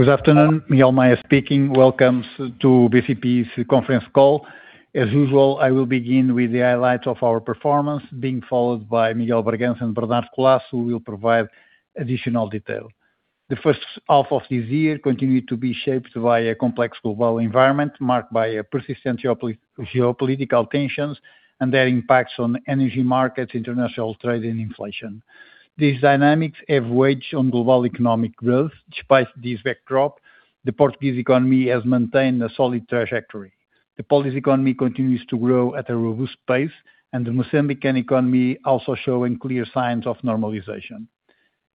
Good afternoon, Miguel Maya speaking. Welcome to BCP's conference call. As usual, I will begin with the highlights of our performance, being followed by Miguel Bragança and Bernardo Collaço, who will provide additional detail. The first half of this year continued to be shaped by a complex global environment, marked by persistent geopolitical tensions and their impacts on energy markets, international trade, and inflation. These dynamics have waged on global economic growth. Despite this backdrop, the Portuguese economy has maintained a solid trajectory. The Polish economy continues to grow at a robust pace, and the Mozambican economy also showing clear signs of normalization.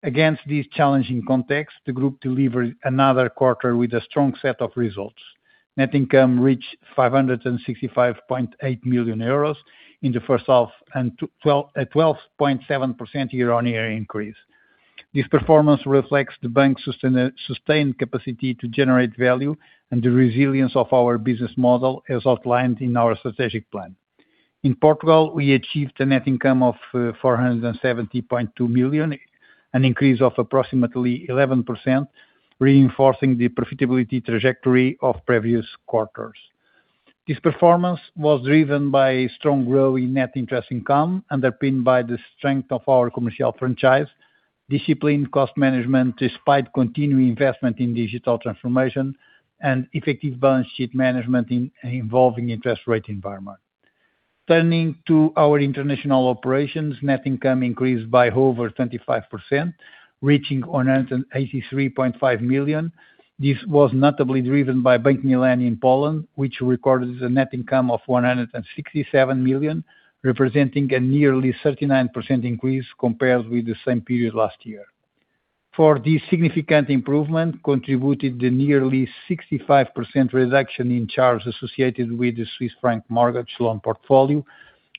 Against this challenging context, the group delivered another quarter with a strong set of results. Net income reached 565.8 million euros in the first half, a 12.7% year-on-year increase. This performance reflects the bank's sustained capacity to generate value and the resilience of our business model as outlined in our strategic plan. In Portugal, we achieved a net income of 470.2 million, an increase of approximately 11%, reinforcing the profitability trajectory of previous quarters. This performance was driven by strong growth in Net Interest Income, underpinned by the strength of our commercial franchise, disciplined cost management despite continuing investment in digital transformation, and effective balance sheet management in an evolving interest rate environment. Turning to our international operations, net income increased by over 25%, reaching on 183.5 million. This was notably driven by Bank Millennium Poland, which recorded a net income of 167 million, representing a nearly 39% increase compared with the same period last year. For this significant improvement contributed the nearly 65% reduction in charges associated with the Swiss franc mortgage loan portfolio,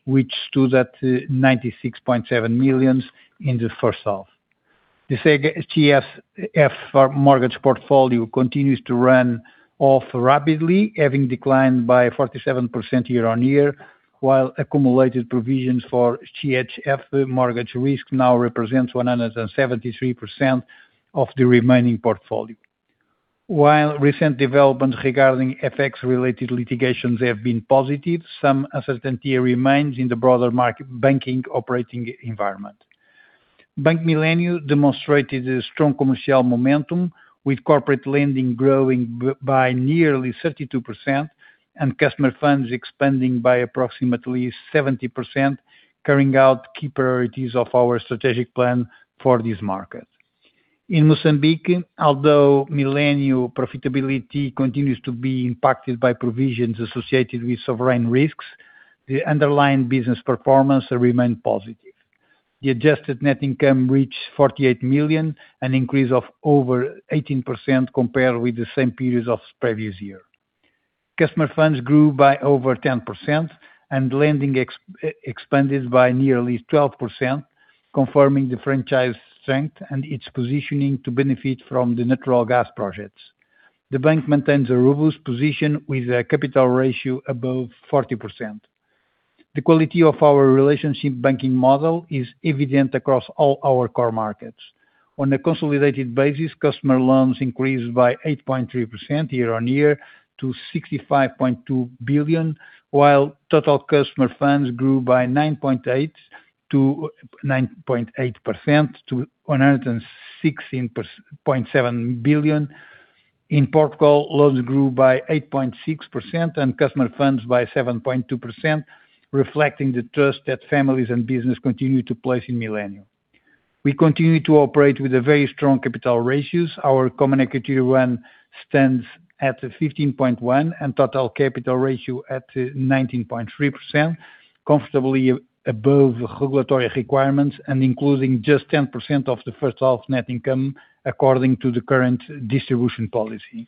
which stood at 96.7 million in the first half. The CHF mortgage portfolio continues to run off rapidly, having declined by 47% year-on-year, while accumulated provisions for CHF mortgage risk now represents 173% of the remaining portfolio. While recent developments regarding FX-related litigations have been positive, some uncertainty remains in the broader market banking operating environment. Bank Millennium demonstrated a strong commercial momentum, with corporate lending growing by nearly 32% and customer funds expanding by approximately 70%, carrying out key priorities of our strategic plan for this market. In Mozambique, although Millennium profitability continues to be impacted by provisions associated with sovereign risks, the underlying business performance remained positive. The adjusted net income reached 48 million, an increase of over 18% compared with the same period of the previous year. Customer funds grew by over 10%, and lending expanded by nearly 12%, confirming the franchise strength and its positioning to benefit from the natural gas projects. The bank maintains a robust position with a capital ratio above 40%. The quality of our relationship banking model is evident across all our core markets. On a consolidated basis, customer loans increased by 8.3% year-on-year to 65.2 billion, while total customer funds grew by 9.8% to 116.7 billion. In Portugal, loans grew by 8.6% and customer funds by 7.2%, reflecting the trust that families and business continue to place in Millennium. We continue to operate with very strong capital ratios. Our common equity one stands at 15.1% and total capital ratio at 19.3%, comfortably above regulatory requirements and including just 10% of the first half net income according to the current distribution policy.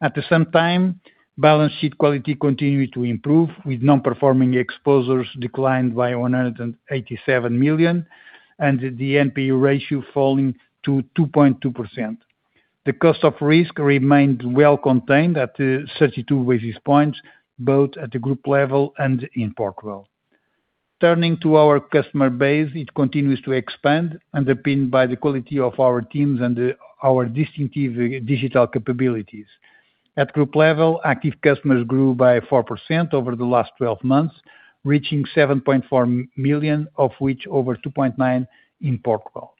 At the same time, balance sheet quality continued to improve, with non-performing exposures declined by 187 million and the NPE ratio falling to 2.2%. The cost of risk remained well contained at 32 basis points, both at the group level and in Portugal. Turning to our customer base, it continues to expand, underpinned by the quality of our teams and our distinctive digital capabilities. At group level, active customers grew by 4% over the last 12 months, reaching 7.4 million, of which over 2.9 million in Portugal.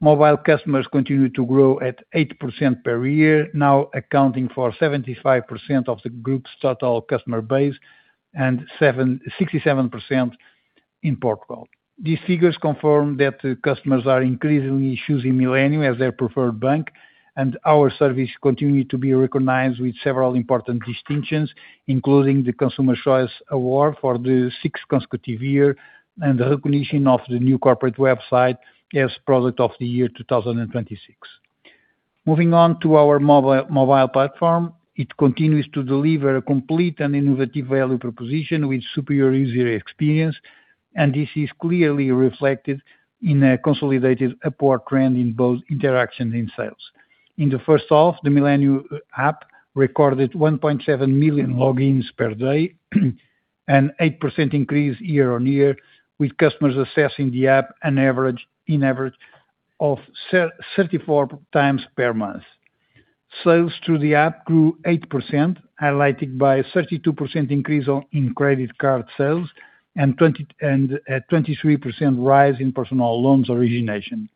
Mobile customers continued to grow at 8% per year, now accounting for 75% of the group's total customer base and 67% in Portugal. These figures confirm that customers are increasingly choosing Millennium as their preferred bank. Our service continued to be recognized with several important distinctions, including the Consumer Choice Award for the sixth consecutive year, and the recognition of the new corporate website as Product of the Year 2026. Moving on to our mobile platform. It continues to deliver a complete and innovative value proposition with superior user experience. This is clearly reflected in a consolidated upward trend in both interactions and sales. In the first half, the Millennium app recorded 1.7 million logins per day, an 8% increase year-on-year, with customers accessing the app on average 34 times per month. Sales through the app grew 8%, highlighted by a 32% increase in credit card sales and a 23% rise in personal loans origination.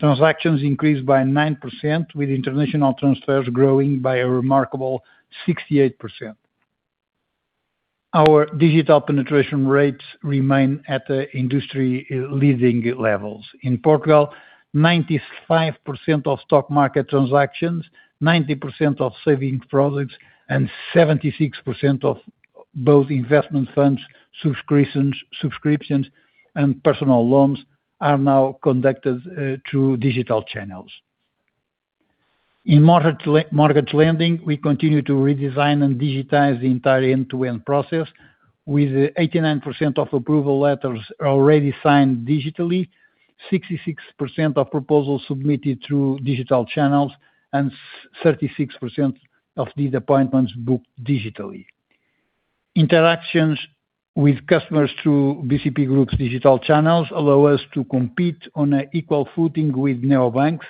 Transactions increased by 9%, with international transfers growing by a remarkable 68%. Our digital penetration rates remain at the industry-leading levels. In Portugal, 95% of stock market transactions, 90% of saving products, and 76% of both investment funds, subscriptions, and personal loans are now conducted through digital channels. In mortgage lending, we continue to redesign and digitize the entire end-to-end process with 89% of approval letters already signed digitally, 66% of proposals submitted through digital channels, and 36% of these appointments booked digitally. Interactions with customers through BCP Group's digital channels allow us to compete on an equal footing with neobanks,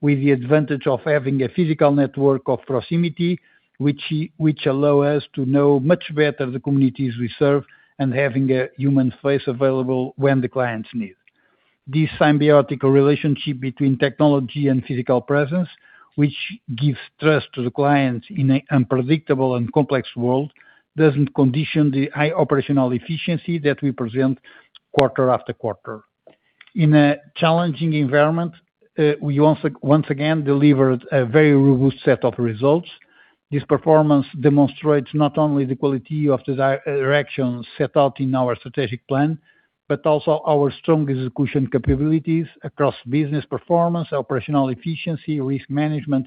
with the advantage of having a physical network of proximity, which allow us to know much better the communities we serve and having a human face available when the clients need. This symbiotic relationship between technology and physical presence, which gives trust to the clients in an unpredictable and complex world, doesn't condition the high operational efficiency that we present quarter after quarter. In a challenging environment, we once again delivered a very robust set of results. This performance demonstrates not only the quality of the directions set out in our strategic plan, but also our strong execution capabilities across business performance, operational efficiency, risk management,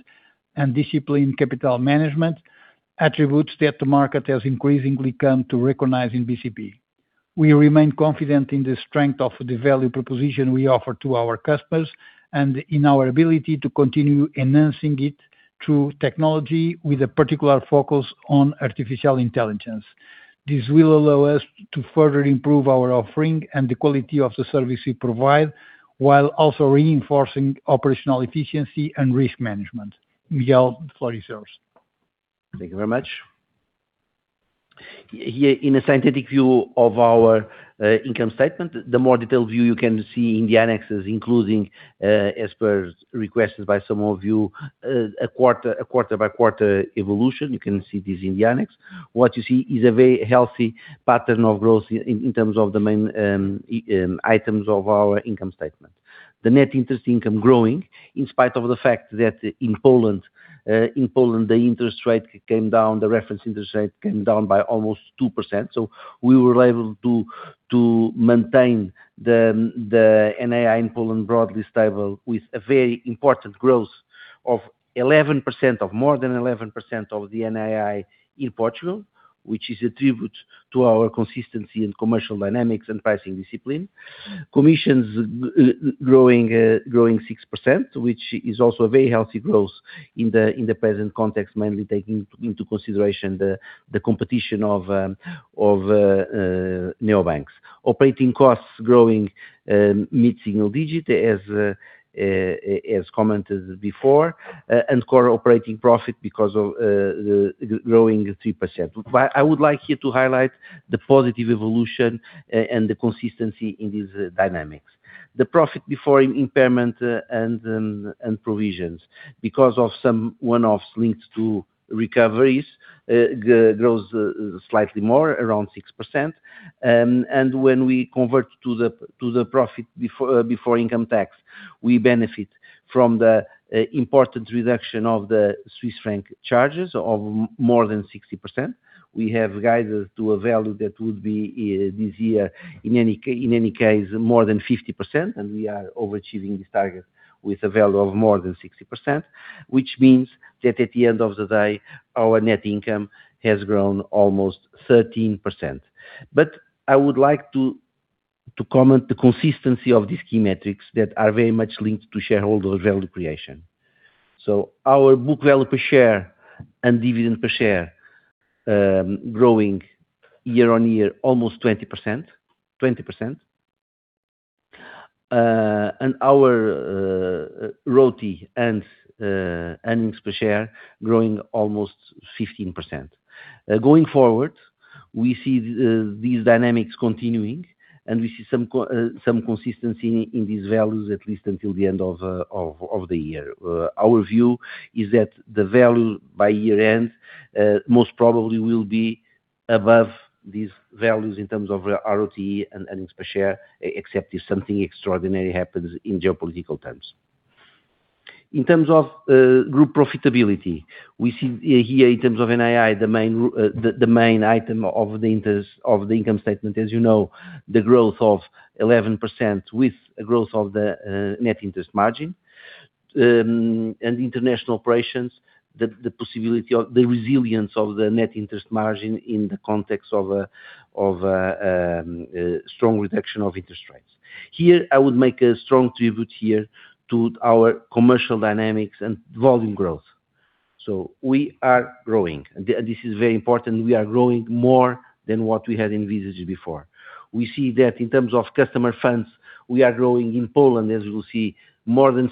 and discipline capital management, attributes that the market has increasingly come to recognize in BCP. We remain confident in the strength of the value proposition we offer to our customers and in our ability to continue enhancing it through technology with a particular focus on artificial intelligence. This will allow us to further improve our offering and the quality of the service we provide, while also reinforcing operational efficiency and risk management. Miguel, floor is yours. Thank you very much. Here in a synthetic view of our income statement, the more detailed view you can see in the annex is including, as per requested by some of you, a quarter-by-quarter evolution. You can see this in the annex. What you see is a very healthy pattern of growth in terms of the main items of our income statement. The net interest income growing in spite of the fact that in Poland, the interest rate came down, the reference interest rate came down by almost 2%. We were able to maintain the NII in Poland broadly stable with a very important growth of more than 11% of the NII in Portugal, which is a tribute to our consistency in commercial dynamics and pricing discipline. Commissions growing 6%, which is also a very healthy growth in the present context, mainly taking into consideration the competition of neobanks. Operating costs growing mid-single digit as commented before, core operating profit because of growing 3%. I would like here to highlight the positive evolution and the consistency in these dynamics. The profit before impairment and provisions, because of some one-offs linked to recoveries, grows slightly more, around 6%. When we convert to the profit before income tax, we benefit from the important reduction of the Swiss franc charges of more than 60%. We have guided to a value that would be this year, in any case, more than 50%, and we are overachieving this target with a value of more than 60%, which means that at the end of the day, our net income has grown almost 13%. I would like to comment the consistency of these key metrics that are very much linked to shareholder value creation. Our book value per share and dividend per share, growing year-on-year, almost 20%. Our ROTE and earnings per share growing almost 15%. Going forward, we see these dynamics continuing, we see some consistency in these values at least until the end of the year. Our view is that the value by year end, most probably will be above these values in terms of ROTE and earnings per share, except if something extraordinary happens in geopolitical terms. In terms of group profitability, we see here in terms of NII, the main item of the income statement, as you know, the growth of 11% with a growth of the Net Interest Margin. International operations, the resilience of the net interest margin in the context of a strong reduction of interest rates. Here, I would make a strong tribute here to our commercial dynamics and volume growth. We are growing, and this is very important. We are growing more than what we had envisaged before. We see that in terms of customer funds, we are growing in Poland, as you will see, around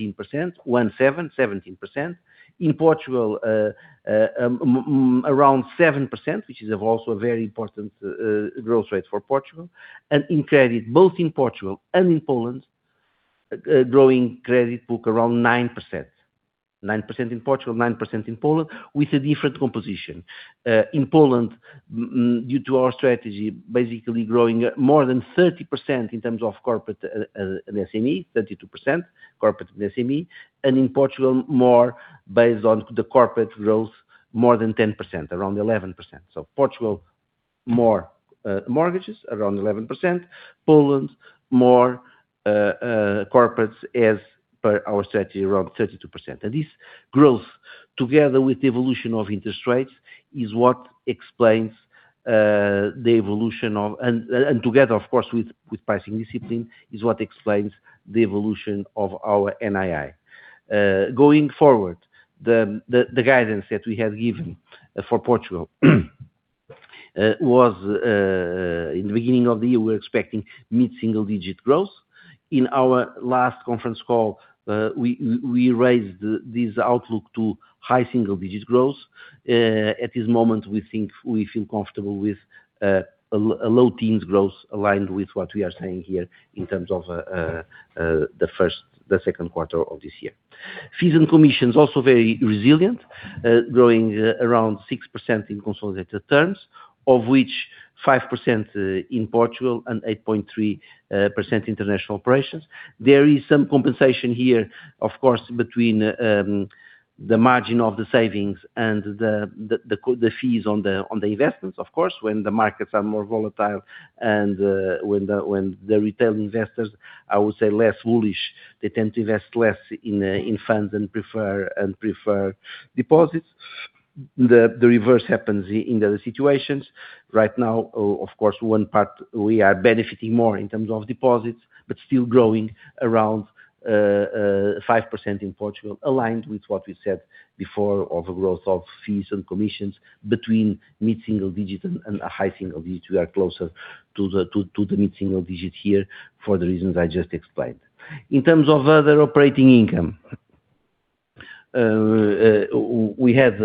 17%. In Portugal around 7%, which is also a very important growth rate for Portugal. In credit, both in Portugal and in Poland, growing credit book around 9%. 9% in Portugal, 9% in Poland with a different composition. In Poland, due to our strategy, basically growing more than 30% in terms of corporate and SME, 32%, corporate and SME. In Portugal, more based on the corporate growth, more than 10%, around 11%. Portugal, more mortgages, around 11%. Poland, more corporates as per our strategy, around 32%. This growth, together with the evolution of interest rates, and together, of course, with pricing discipline, is what explains the evolution of our NII. Going forward, the guidance that we have given for Portugal was, in the beginning of the year, we were expecting mid-single-digit growth. In our last conference call, we raised this outlook to high single-digit growth. At this moment, we feel comfortable with a low teens growth aligned with what we are saying here in terms of the second quarter of this year. Fees and commissions, also very resilient, growing around 6% in consolidated terms, of which 5% in Portugal and 8.3% international operations. There is some compensation here, of course, between the margin of the savings and the fees on the investments. Of course, when the markets are more volatile and when the retail investors, I would say less bullish, they tend to invest less in funds and prefer deposits. The reverse happens in other situations. Right now, of course, one part we are benefiting more in terms of deposits, but still growing around 5% in Portugal, aligned with what we said before of a growth of fees and commissions between mid-single digit and a high single digit. We are closer to the mid-single digit here for the reasons I just explained. In terms of other operating income, we had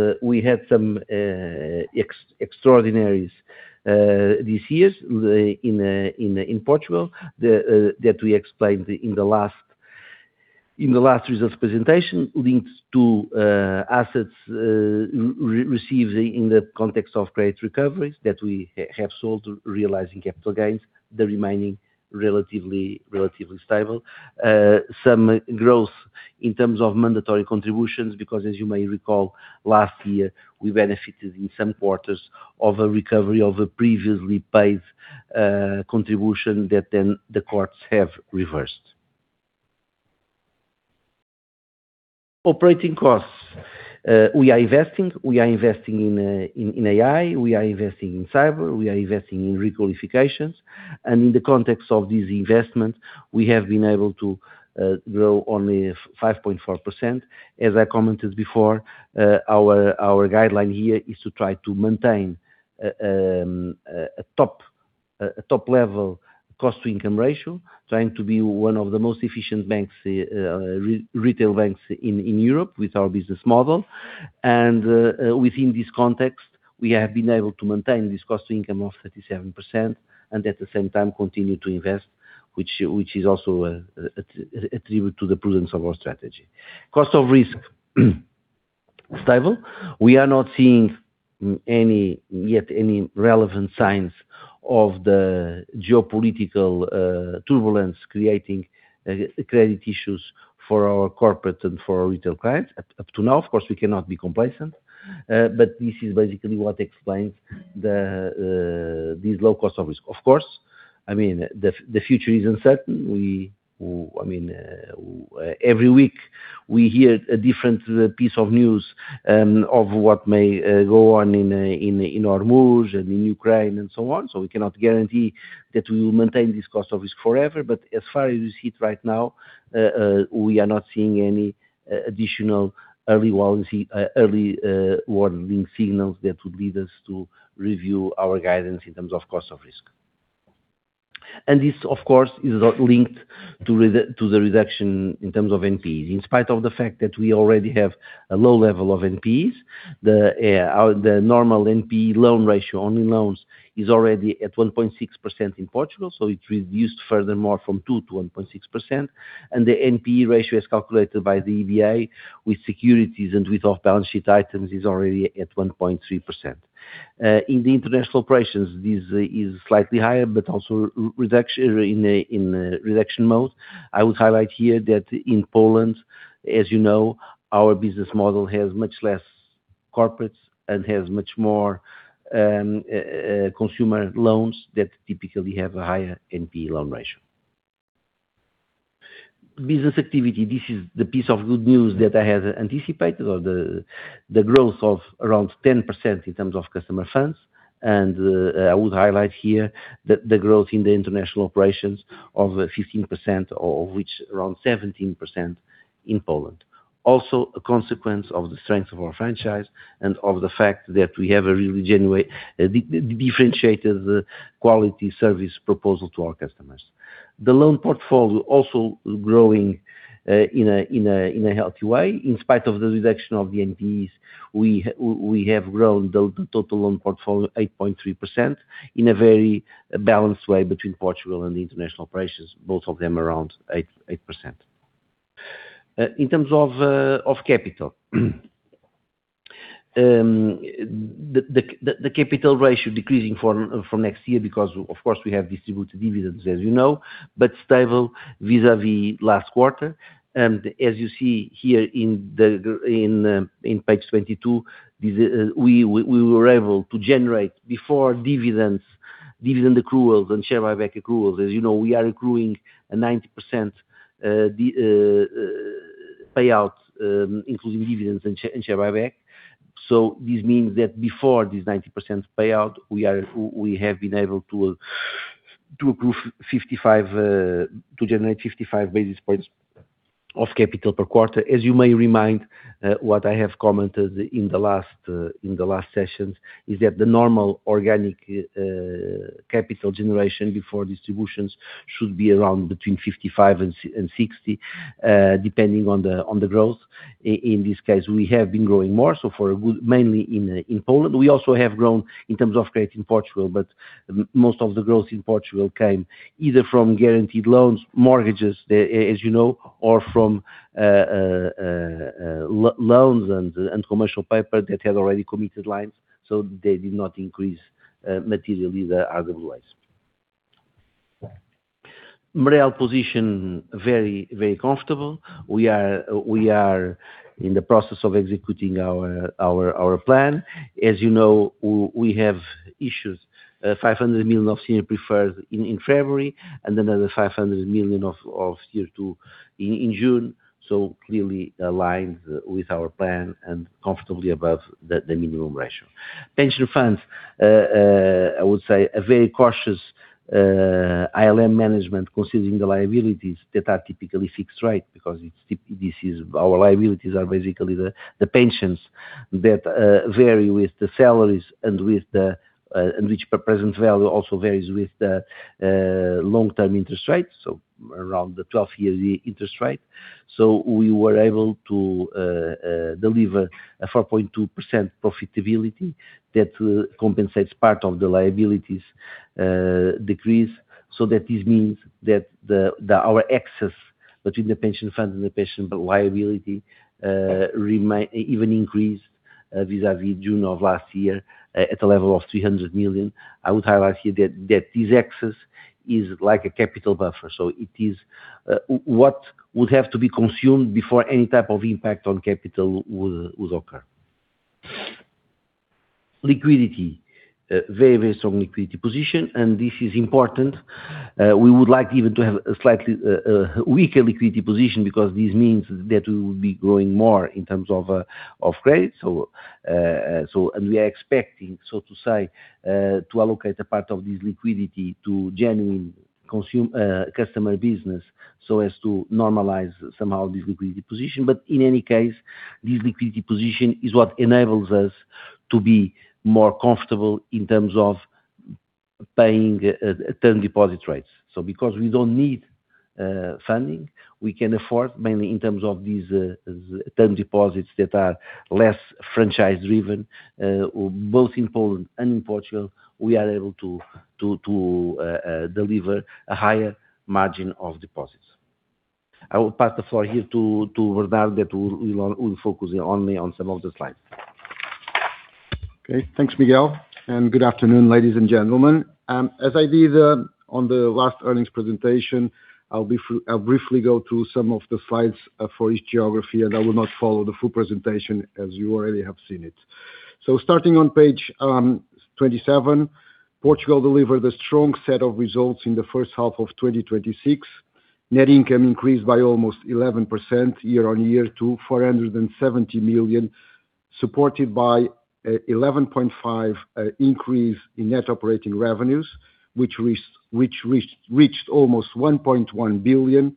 some extraordinaries this year in Portugal that we explained in the last results presentation, linked to assets received in the context of credit recoveries that we have sold, realizing capital gains, the remaining relatively stable. Some growth in terms of mandatory contributions because, as you may recall, last year, we benefited in some quarters of a recovery of a previously paid contribution that then the courts have reversed. Operating costs. We are investing. We are investing in AI, we are investing in cyber, we are investing in requalifications. In the context of this investment, we have been able to grow only 5.4%. As I commented before, our guideline here is to try to maintain a top-level cost-to-income ratio, trying to be one of the most efficient retail banks in Europe with our business model. Within this context, we have been able to maintain this cost-to-income ratio of 37% and at the same time continue to invest, which is also attributed to the prudence of our strategy. Cost of risk, stable. We are not seeing yet any relevant signs of the geopolitical turbulence creating credit issues for our corporate and for our retail clients up to now. Of course, we cannot be complacent. This is basically what explains these low cost of risk. Of course, the future is uncertain. Every week, we hear a different piece of news of what may go on in Mozambique and in Ukraine and so on. We cannot guarantee that we will maintain this cost of risk forever. As far as you see it right now, we are not seeing any additional early warning signals that would lead us to review our guidance in terms of cost of risk. This, of course, is linked to the reduction in terms of NPEs. In spite of the fact that we already have a low level of NPEs, the normal NPE loan ratio, only loans, is already at 1.6% in Portugal, so it reduced furthermore from 2% to 1.6%. The NPE ratio as calculated by the EBA with securities and with off-balance sheet items is already at 1.3%. In the international operations, this is slightly higher, but also in reduction mode. I would highlight here that in Poland, as you know, our business model has much less corporates and has much more consumer loans that typically have a higher NPE loan ratio. Business activity. This is the piece of good news that I had anticipated, or the growth of around 10% in terms of customer funds. I would highlight here that the growth in the international operations of 15%, of which around 17% in Poland. Also a consequence of the strength of our franchise and of the fact that we have a really genuine, differentiated quality service proposal to our customers. The loan portfolio also growing in a healthy way. In spite of the reduction of the NPEs, we have grown the total loan portfolio 8.3% in a very balanced way between Portugal and the international operations, both of them around 8%. In terms of capital, the capital ratio decreasing for next year because, of course, we have distributed dividends, as you know, but stable vis-à-vis last quarter. As you see here in page 22, we were able to generate, before dividends, dividend accruals and share buyback accruals. As you know, we are accruing a 90% payout, including dividends and share buyback. This means that before this 90% payout, we have been able to generate 55 basis points of capital per quarter. As you may remind, what I have commented in the last sessions is that the normal organic capital generation before distributions should be around between 55 and 60, depending on the growth. In this case, we have been growing more, for good mainly in Poland. We also have grown in terms of credit in Portugal, but most of the growth in Portugal came either from guaranteed loans, mortgages, as you know, or from loans and commercial paper that had already committed lines, they did not increase materially the RWA. MREL position, very comfortable. We are in the process of executing our plan. As you know, we have issued 500 million of Tier 2 preferred in February and another 500 million of Tier 2 in June, clearly aligned with our plan and comfortably above the minimum ratio. Pension funds, I would say a very cautious ALM management considering the liabilities that are typically fixed rate because our liabilities are basically the pensions that vary with the salaries and which present value also varies with the long-term interest rates, around the 12-year interest rate. We were able to deliver a 4.2% profitability that compensates part of the liabilities decrease, that this means that our excess between the pension fund and the pension liability even increased vis-à-vis June of last year at a level of 300 million. I would highlight here that this excess is like a capital buffer, it is what would have to be consumed before any type of impact on capital would occur. Liquidity. Very strong liquidity position, and this is important. We would like even to have a slightly weaker liquidity position because this means that we will be growing more in terms of grades. We are expecting, so to say, to allocate a part of this liquidity to genuine customer business so as to normalize somehow this liquidity position. In any case, this liquidity position is what enables us to be more comfortable in terms of paying term deposit rates. Because we don't need funding, we can afford, mainly in terms of these term deposits that are less franchise-driven, both in Poland and in Portugal, we are able to deliver a higher margin of deposits. I will pass the floor here to Bernardo that will focus only on some of the slides. Okay, thanks, Miguel, and good afternoon, ladies and gentlemen. As I did on the last earnings presentation, I'll briefly go through some of the slides for each geography, I will not follow the full presentation as you already have seen it. Starting on page 27, Portugal delivered a strong set of results in the first half of 2026. Net income increased by almost 11% year-on-year to 470 million, supported by 11.5% increase in net operating revenues, which reached almost 1.1 billion.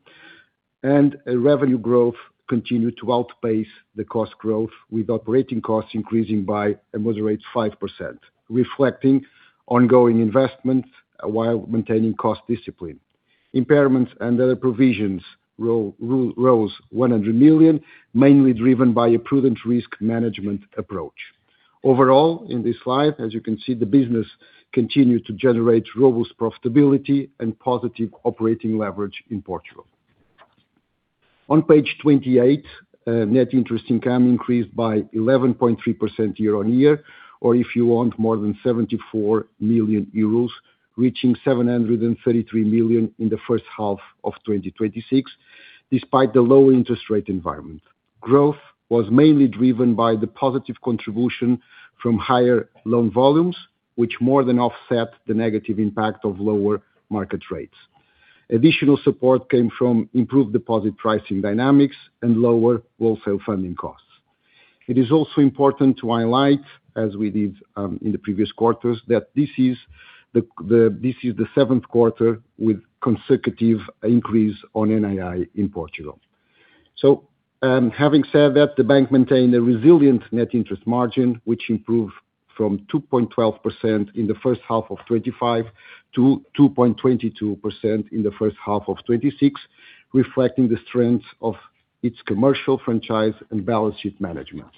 Revenue growth continued to outpace the cost growth, with operating costs increasing by a moderate 5%, reflecting ongoing investments while maintaining cost discipline. Impairments and other provisions rose 100 million, mainly driven by a prudent risk management approach. Overall, in this slide, as you can see, the business continued to generate robust profitability and positive operating leverage in Portugal. On page 28, Net Interest Income increased by 11.3% year-on-year, or if you want, more than 74 million euros, reaching 733 million in the first half of 2026, despite the low interest rate environment. Growth was mainly driven by the positive contribution from higher loan volumes, which more than offset the negative impact of lower market rates. Additional support came from improved deposit pricing dynamics and lower wholesale funding costs. It is also important to highlight, as we did in the previous quarters, that this is the seventh quarter with consecutive increase on NII in Portugal. Having said that, the bank maintained a resilient Net interest margin, which improved from 2.12% in the first half of 2025 to 2.22% in the first half of 2026, reflecting the strength of its commercial franchise and balance sheet management.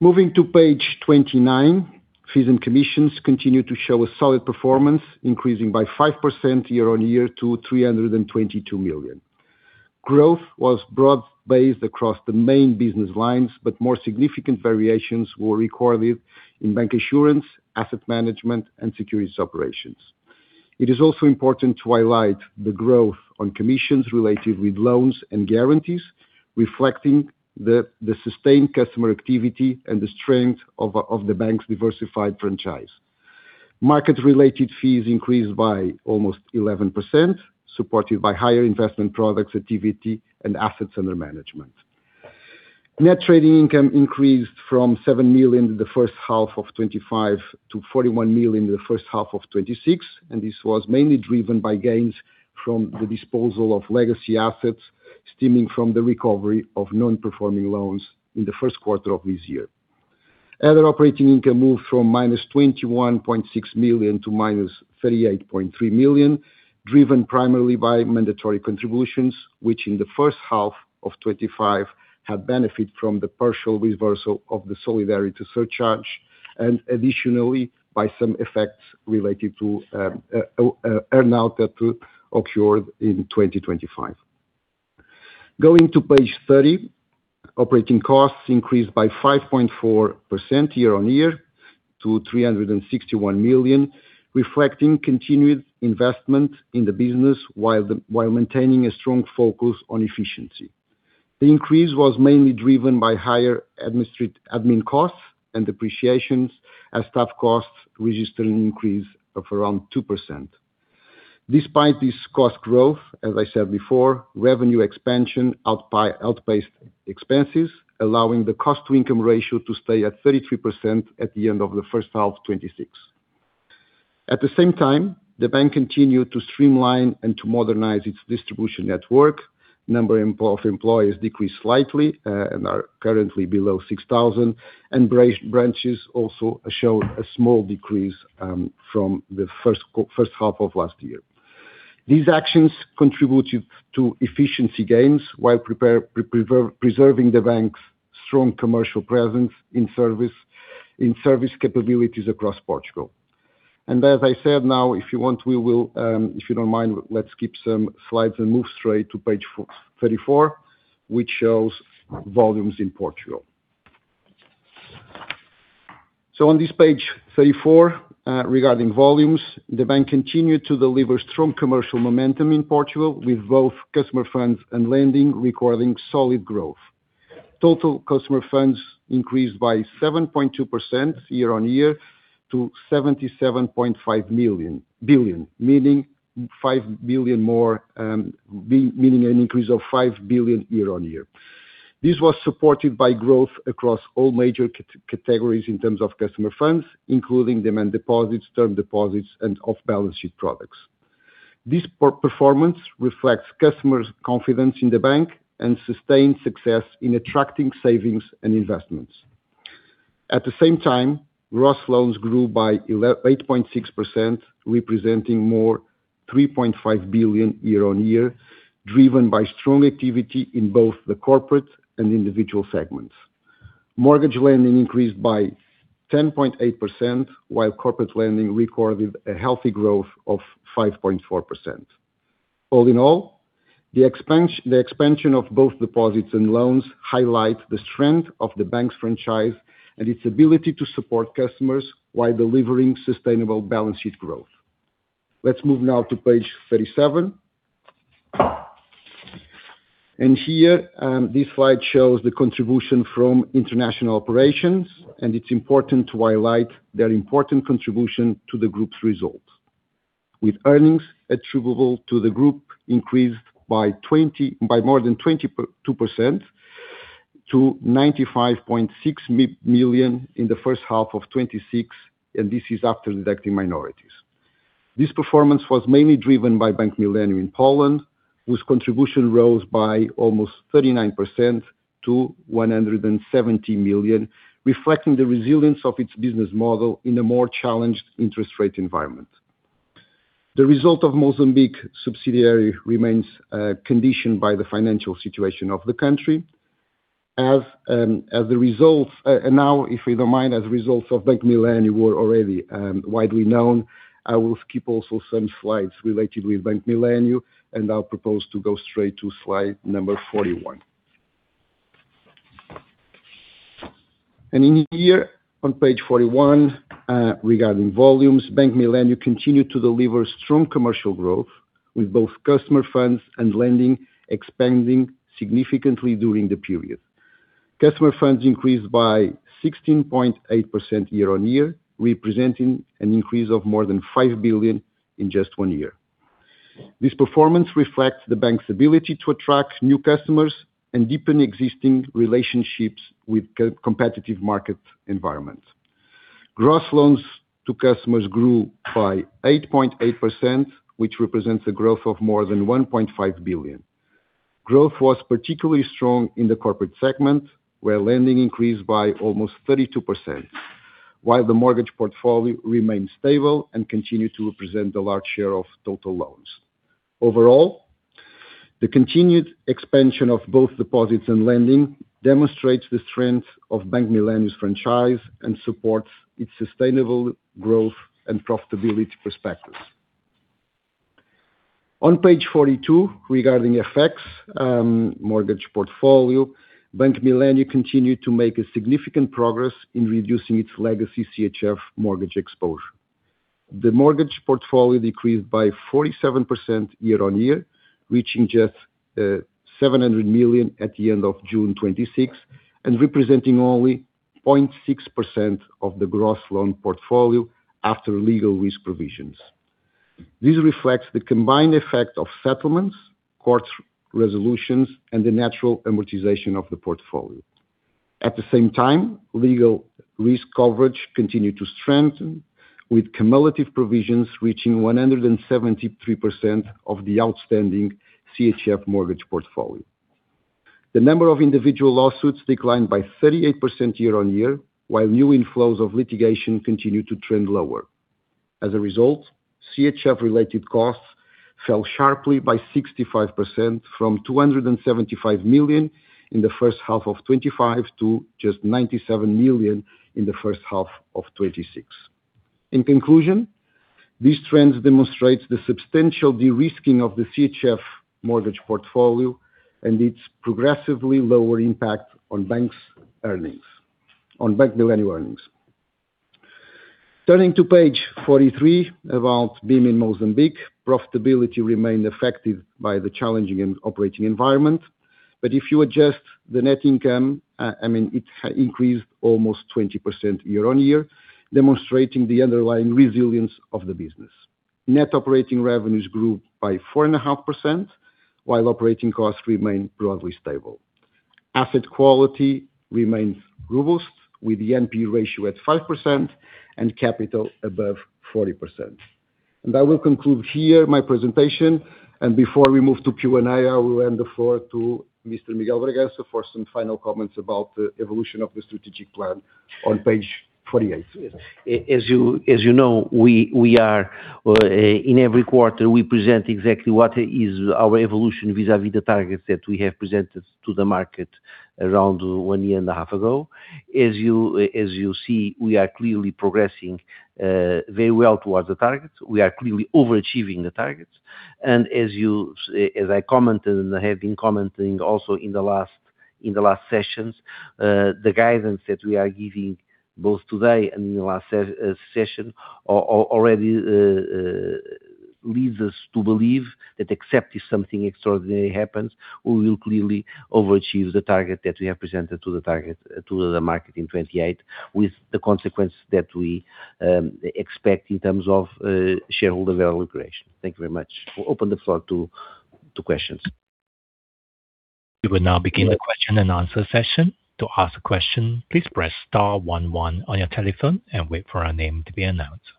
Moving to page 29, fees and commissions continue to show a solid performance, increasing by 5% year-on-year to 322 million. Growth was broad-based across the main business lines, but more significant variations were recorded in bank insurance, asset management and securities operations. It is also important to highlight the growth on commissions related with loans and guarantees, reflecting the sustained customer activity and the strength of the bank's diversified franchise. Market-related fees increased by almost 11%, supported by higher investment products activity and assets under management. Net trading income increased from 7 million in the first half of 2025 to 41 million in the first half of 2026. This was mainly driven by gains from the disposal of legacy assets, stemming from the recovery of non-performing loans in the first quarter of this year. Other operating income moved from -21.6 million to -38.3 million, driven primarily by mandatory contributions, which in the first half of 2025, had benefit from the partial reversal of the solidarity surcharge and additionally, by some effects related to earn-out that occurred in 2025. Going to page 30, operating costs increased by 5.4% year-on-year to 361 million, reflecting continued investment in the business while maintaining a strong focus on efficiency. The increase was mainly driven by higher admin costs and depreciations as staff costs registered an increase of around 2%. Despite this cost growth, as I said before, revenue expansion outpaced expenses, allowing the cost-to-income ratio to stay at 33% at the end of the first half 2026. At the same time, the bank continued to streamline and to modernize its distribution network. Number of employees decreased slightly, and are currently below 6,000. Branches also showed a small decrease from the first half of last year. These actions contributed to efficiency gains while preserving the bank's strong commercial presence in service capabilities across Portugal. As I said, now, if you don't mind, let's skip some slides and move straight to page 34, which shows volumes in Portugal. On this page 34, regarding volumes, the bank continued to deliver strong commercial momentum in Portugal, with both customer funds and lending recording solid growth. Total customer funds increased by 7.2% year-on-year to 77.5 billion, meaning an increase of 5 billion year-on-year. This was supported by growth across all major categories in terms of customer funds, including demand deposits, term deposits, and off-balance sheet products. This performance reflects customers' confidence in the bank and sustained success in attracting savings and investments. At the same time, gross loans grew by 8.6%, representing more 3.5 billion year-on-year, driven by strong activity in both the corporate and individual segments. Mortgage lending increased by 10.8%, while corporate lending recorded a healthy growth of 5.4%. All in all, the expansion of both deposits and loans highlight the strength of the bank's franchise and its ability to support customers while delivering sustainable balance sheet growth. Let's move now to page 37. Here, this slide shows the contribution from international operations. It's important to highlight their important contribution to the group's results. With earnings attributable to the group increased by more than 22% to 95.6 million in the first half of 2026. This is after deducting minorities. This performance was mainly driven by Bank Millennium in Poland, whose contribution rose by almost 39% to 170 million, reflecting the resilience of its business model in a more challenged interest rate environment. The result of Mozambique subsidiary remains conditioned by the financial situation of the country. Now, if you don't mind, as a result of Bank Millennium were already widely known, I will keep also some slides related with Bank Millennium, and I'll propose to go straight to slide number 41. In here on page 41, regarding volumes, Bank Millennium continued to deliver strong commercial growth with both customer funds and lending expanding significantly during the period. Customer funds increased by 16.8% year-on-year, representing an increase of more than 5 billion in just one year. This performance reflects the bank's ability to attract new customers and deepen existing relationships with competitive market environments. Gross loans to customers grew by 8.8%, which represents a growth of more than 1.5 billion. Growth was particularly strong in the corporate segment, where lending increased by almost 32%, while the mortgage portfolio remained stable and continued to represent a large share of total loans. Overall, the continued expansion of both deposits and lending demonstrates the strength of Bank Millennium's franchise and supports its sustainable growth and profitability prospectus. On page 42, regarding FX mortgage portfolio, Bank Millennium continued to make significant progress in reducing its legacy CHF mortgage exposure. The mortgage portfolio decreased by 47% year-on-year, reaching just 700 million at the end of June 2026, and representing only 0.6% of the gross loan portfolio after legal risk provisions. This reflects the combined effect of settlements, court resolutions, and the natural amortization of the portfolio. At the same time, legal risk coverage continued to strengthen, with cumulative provisions reaching 173% of the outstanding CHF mortgage portfolio. The number of individual lawsuits declined by 38% year-on-year, while new inflows of litigation continued to trend lower. As a result, CHF related costs fell sharply by 65%, from 275 million in the first half of 2025, to just 97 million in the first half of 2026. In conclusion, these trends demonstrate the substantial de-risking of the CHF mortgage portfolio and its progressively lower impact on Bank Millennium earnings. Turning to page 43, about Millennium bim Mozambique. Profitability remained affected by the challenging operating environment. If you adjust the net income, it increased almost 20% year-on-year, demonstrating the underlying resilience of the business. Net operating revenues grew by 4.5%, while operating costs remained broadly stable. Asset quality remains robust, with the NPE ratio at 5% and capital above 40%. I will conclude here my presentation. Before we move to Q&A, I will hand the floor to Mr. Miguel Bragança for some final comments about the evolution of the strategic plan on page 48. As you know, in every quarter we present exactly what is our evolution vis-à-vis the targets that we have presented to the market around 1.5 year ago. As you see, we are clearly progressing very well towards the targets. We are clearly overachieving the targets. As I commented, and I have been commenting also in the last sessions, the guidance that we are giving both today and in the last session, already leads us to believe that except if something extraordinary happens, we will clearly overachieve the target that we have presented to the market in 2028, with the consequence that we expect in terms of shareholder value creation. Thank you very much. We open the floor to questions. We will now begin the question and answer session. To ask a question, please press star one one on your telephone and wait for your name to be announced.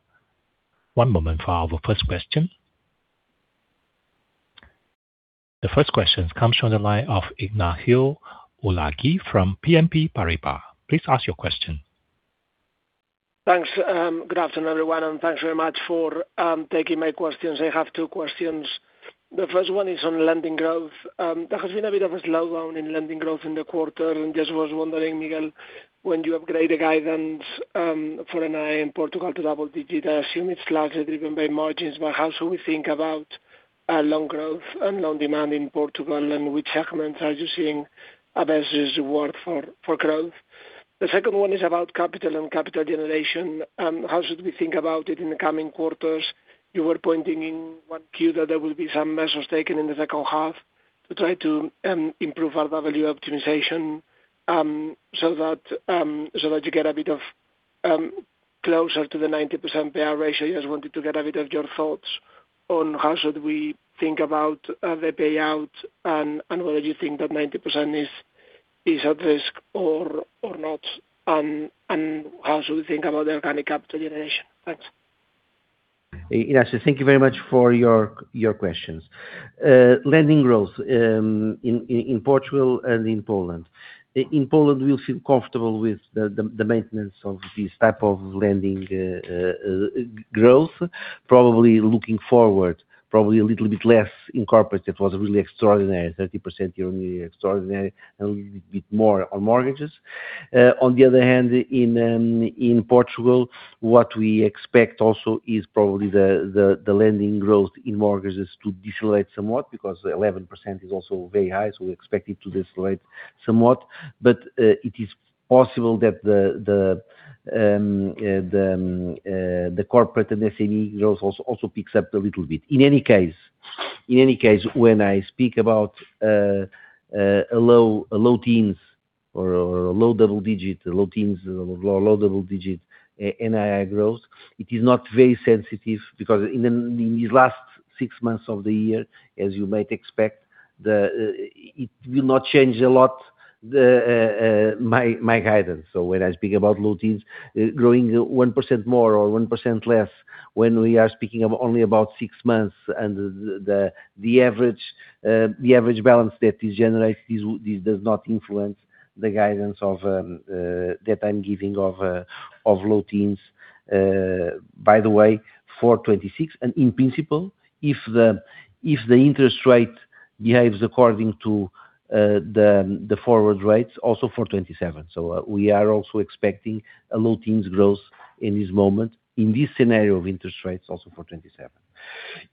One moment for our first question. The first question comes from the line of Ignacio Ulargui from BNP Paribas. Please ask your question. Thanks. Good afternoon, everyone, thanks very much for taking my questions. I have two questions. The first one is on lending growth. There has been a bit of a slowdown in lending growth in the quarter, just was wondering, Miguel, when you upgrade the guidance for NII in Portugal to double-digits, I assume it is largely driven by margins, but how should we think about loan growth and loan demand in Portugal and which segments are you seeing best worth for growth? The second one is about capital and capital generation. How should we think about it in the coming quarters? You were pointing in Q1 that there will be some measures taken in the second half to try to improve our value optimization, so that you get a bit of closer to the 90% payout ratio. Wanted to get a bit of your thoughts on how should we think about the payout and whether you think that 90% is at risk or not? How should we think about the organic capital generation? Thanks. Ignacio, thank you very much for your questions. Lending growth in Portugal and in Poland. In Poland, we feel comfortable with the maintenance of this type of lending growth. Probably looking forward, probably a little bit less in corporate. It was really extraordinary, 30% year-on-year extraordinary, a little bit more on mortgages. On the other hand, in Portugal, what we expect also is probably the lending growth in mortgages to decelerate somewhat, because 11% is also very high. We expect it to decelerate somewhat. It is possible that the corporate and SME growth also picks up a little bit. In any case, when I speak about a low teens or low double digit, low teens, low double digit NII growth. It is not very sensitive because in these last six months of the year, as you might expect, it will not change a lot my guidance. When I speak about low teens growing 1% more or 1% less, when we are speaking only about six months and the average balance that is generated, this does not influence the guidance that I'm giving of low teens. By the way, for 2026, and in principle, if the interest rate behaves according to the forward rates, also for 2027. We are also expecting a low teens growth in this moment, in this scenario of interest rates, also for 2027.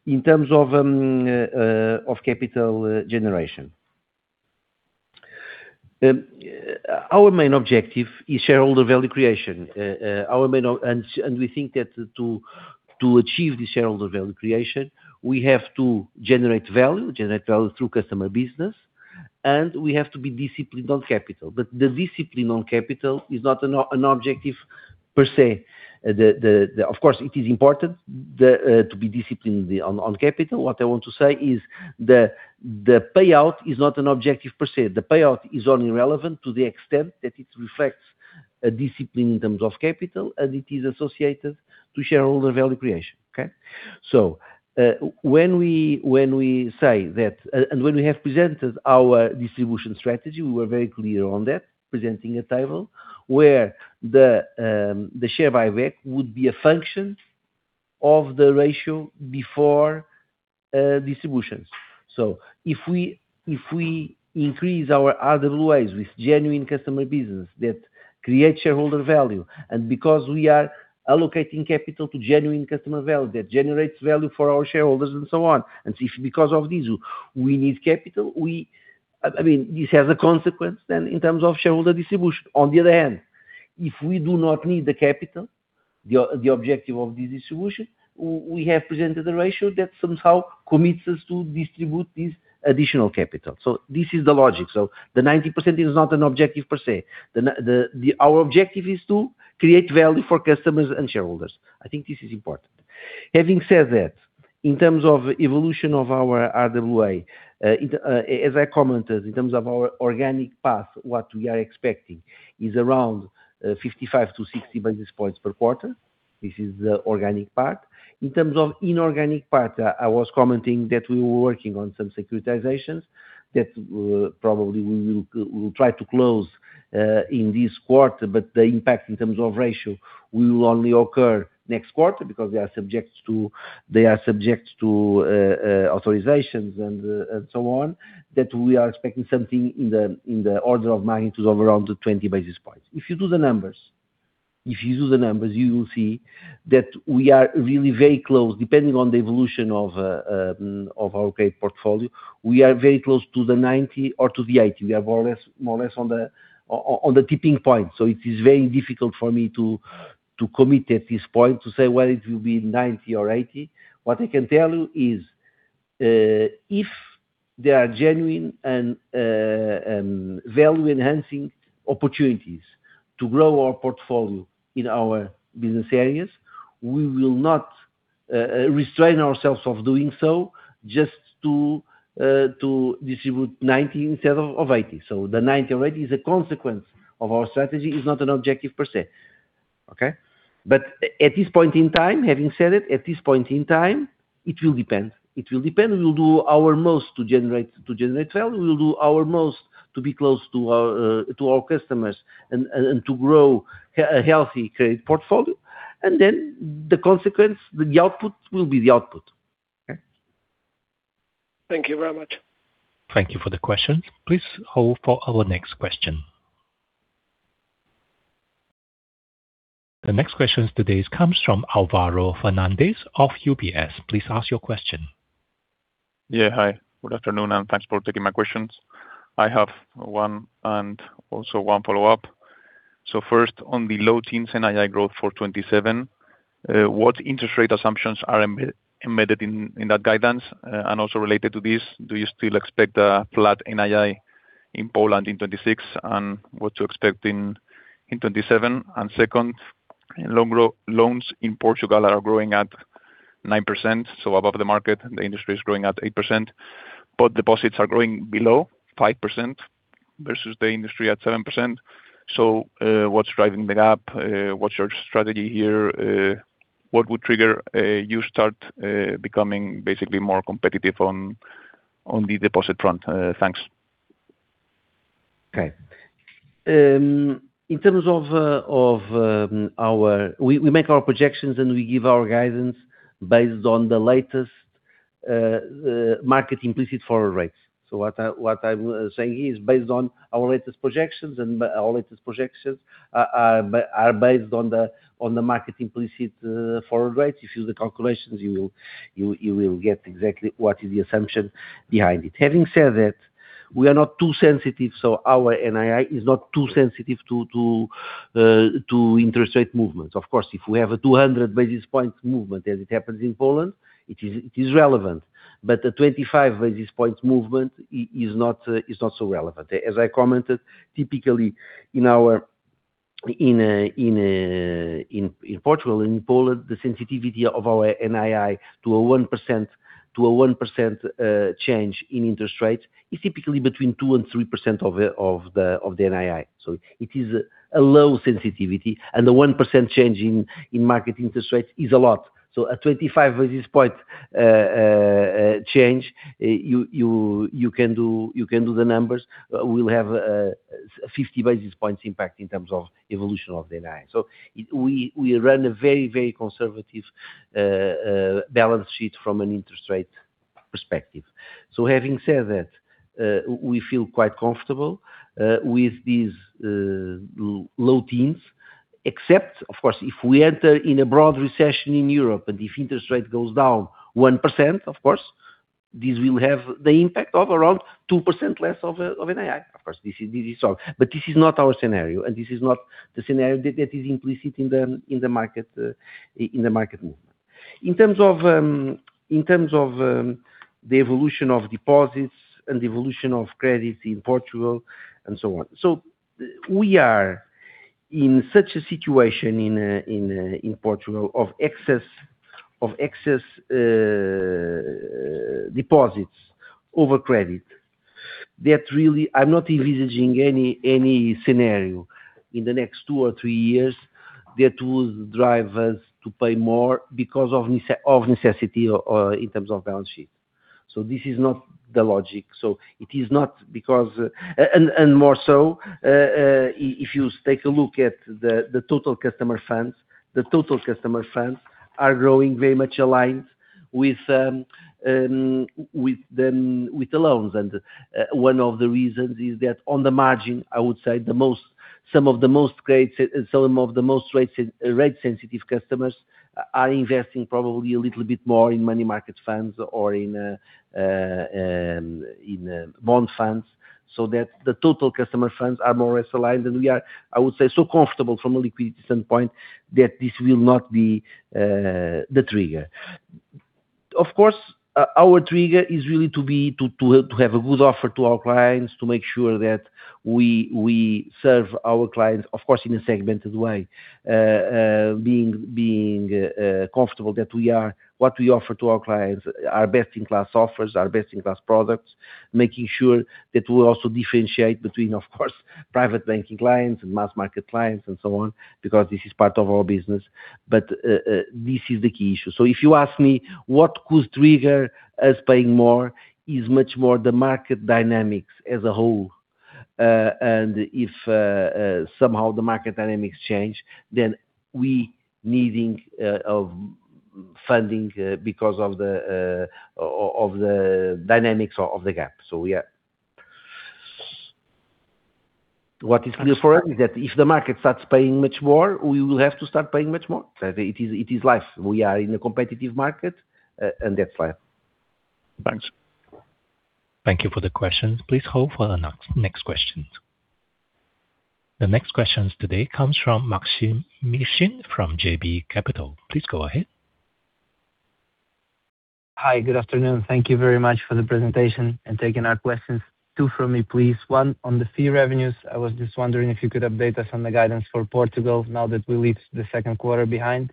In terms of capital generation, our main objective is shareholder value creation. We think that to achieve the shareholder value creation, we have to generate value, generate value through customer business, and we have to be disciplined on capital. The discipline on capital is not an objective per se. Of course, it is important to be disciplined on capital. What I want to say is the payout is not an objective per se. The payout is only relevant to the extent that it reflects a discipline in terms of capital, and it is associated to shareholder value creation. Okay. When we say that, and when we have presented our distribution strategy, we were very clear on that, presenting a table where the share buyback would be a function of the ratio before distributions. If we increase our RWAs with genuine customer business that creates shareholder value, and because we are allocating capital to genuine customer value that generates value for our shareholders and so on, and if because of this, we need capital, this has a consequence then in terms of shareholder distribution. On the other hand, if we do not need the capital, the objective of the distribution, we have presented a ratio that somehow commits us to distribute this additional capital. This is the logic. The 90% is not an objective per se. Our objective is to create value for customers and shareholders. I think this is important. Having said that, in terms of evolution of our RWA, as I commented, in terms of our organic path, what we are expecting is around 55-60 basis points per quarter. This is the organic part. In terms of inorganic part, I was commenting that we were working on some securitizations that probably we will try to close in this quarter. The impact in terms of ratio will only occur next quarter because they are subject to authorizations and so on, that we are expecting something in the order of magnitudes of around 20 basis points. If you do the numbers, you will see that we are really very close, depending on the evolution of our credit portfolio, we are very close to the 90 or to the 80. We are more or less on the tipping point. It is very difficult for me to commit at this point to say whether it will be 90 or 80. What I can tell you is if there are genuine and value-enhancing opportunities to grow our portfolio in our business areas, we will not restrain ourselves of doing so just to distribute 90 instead of 80. The 90/80 is a consequence of our strategy, is not an objective per se. Okay? At this point in time, having said it, at this point in time, it will depend. We will do our most to generate value. We will do our most to be close to our customers and to grow a healthy credit portfolio. The consequence, the output will be the output. Okay? Thank you very much. Thank you for the question. Please hold for our next question. The next question today comes from Álvaro Fernández of UBS. Please ask your question. Yeah. Hi. Good afternoon, and thanks for taking my questions. I have one and also one follow-up. First, on the low teens NII growth for 2027, what interest rate assumptions are embedded in that guidance? Also related to this, do you still expect a flat NII in Poland in 2026, and what to expect in 2027? Second, loans in Portugal are growing at 9%, so above the market. The industry is growing at 8%, but deposits are growing below 5% versus the industry at 7%. What's driving that up? What's your strategy here? What would trigger you start becoming basically more competitive on the deposit front? Thanks. Okay. We make our projections, and we give our guidance based on the latest market implicit forward rates. What I'm saying here is based on our latest projections, and our latest projections are based on the market implicit forward rates. If you use the calculations, you will get exactly what is the assumption behind it. Having said that, we are not too sensitive, so our NII is not too sensitive to interest rate movements. Of course, if we have a 200 basis point movement as it happens in Poland, it is relevant. A 25 basis points movement is not so relevant. As I commented, typically in Portugal and in Poland, the sensitivity of our NII to a 1% change in interest rates is typically between 2% and 3% of the NII. It is a low sensitivity, and the 1% change in market interest rates is a lot. A 25 basis point change, you can do the numbers. We'll have a 50 basis points impact in terms of evolution of the NII. We run a very conservative balance sheet from an interest rate perspective. Having said that, we feel quite comfortable with these low teens, except, of course, if we enter in a broad recession in Europe, and if interest rate goes down 1%, of course, this will have the impact of around 2% less of NII. Of course, this is all. This is not our scenario, and this is not the scenario that is implicit in the market movement. In terms of the evolution of deposits and the evolution of credits in Portugal, and so on. We are in such a situation in Portugal of excess deposits over credit, that really, I'm not envisaging any scenario in the next two or three years that will drive us to pay more because of necessity or in terms of balance sheet. This is not the logic. More so, if you take a look at the total customer funds, the total customer funds are growing very much aligned with the loans. One of the reasons is that on the margin, I would say, some of the most rate sensitive customers are investing probably a little bit more in money market funds or in bond funds, so that the total customer funds are more or less aligned than we are, I would say, so comfortable from a liquidity standpoint, that this will not be the trigger. Of course, our trigger is really to have a good offer to our clients, to make sure that we serve our clients, of course, in a segmented way, being comfortable that what we offer to our clients are best-in-class offers, are best-in-class products, making sure that we also differentiate between, of course, private banking clients and mass market clients, and so on, because this is part of our business, but this is the key issue. If you ask me what could trigger us paying more is much more the market dynamics as a whole. If somehow the market dynamics change, then we needing of funding because of the dynamics of the gap. Yeah. What is clear for me is that if the market starts paying much more, we will have to start paying much more. It is life. We are in a competitive market, and that's life. Thanks. Thank you for the questions. Please hold for the next questions. The next questions today comes from Maksym Mishyn from JB Capital. Please go ahead. Hi, good afternoon. Thank you very much for the presentation and taking our questions. Two from me, please. One, on the fee revenues, I was just wondering if you could update us on the guidance for Portugal now that we leave the second quarter behind.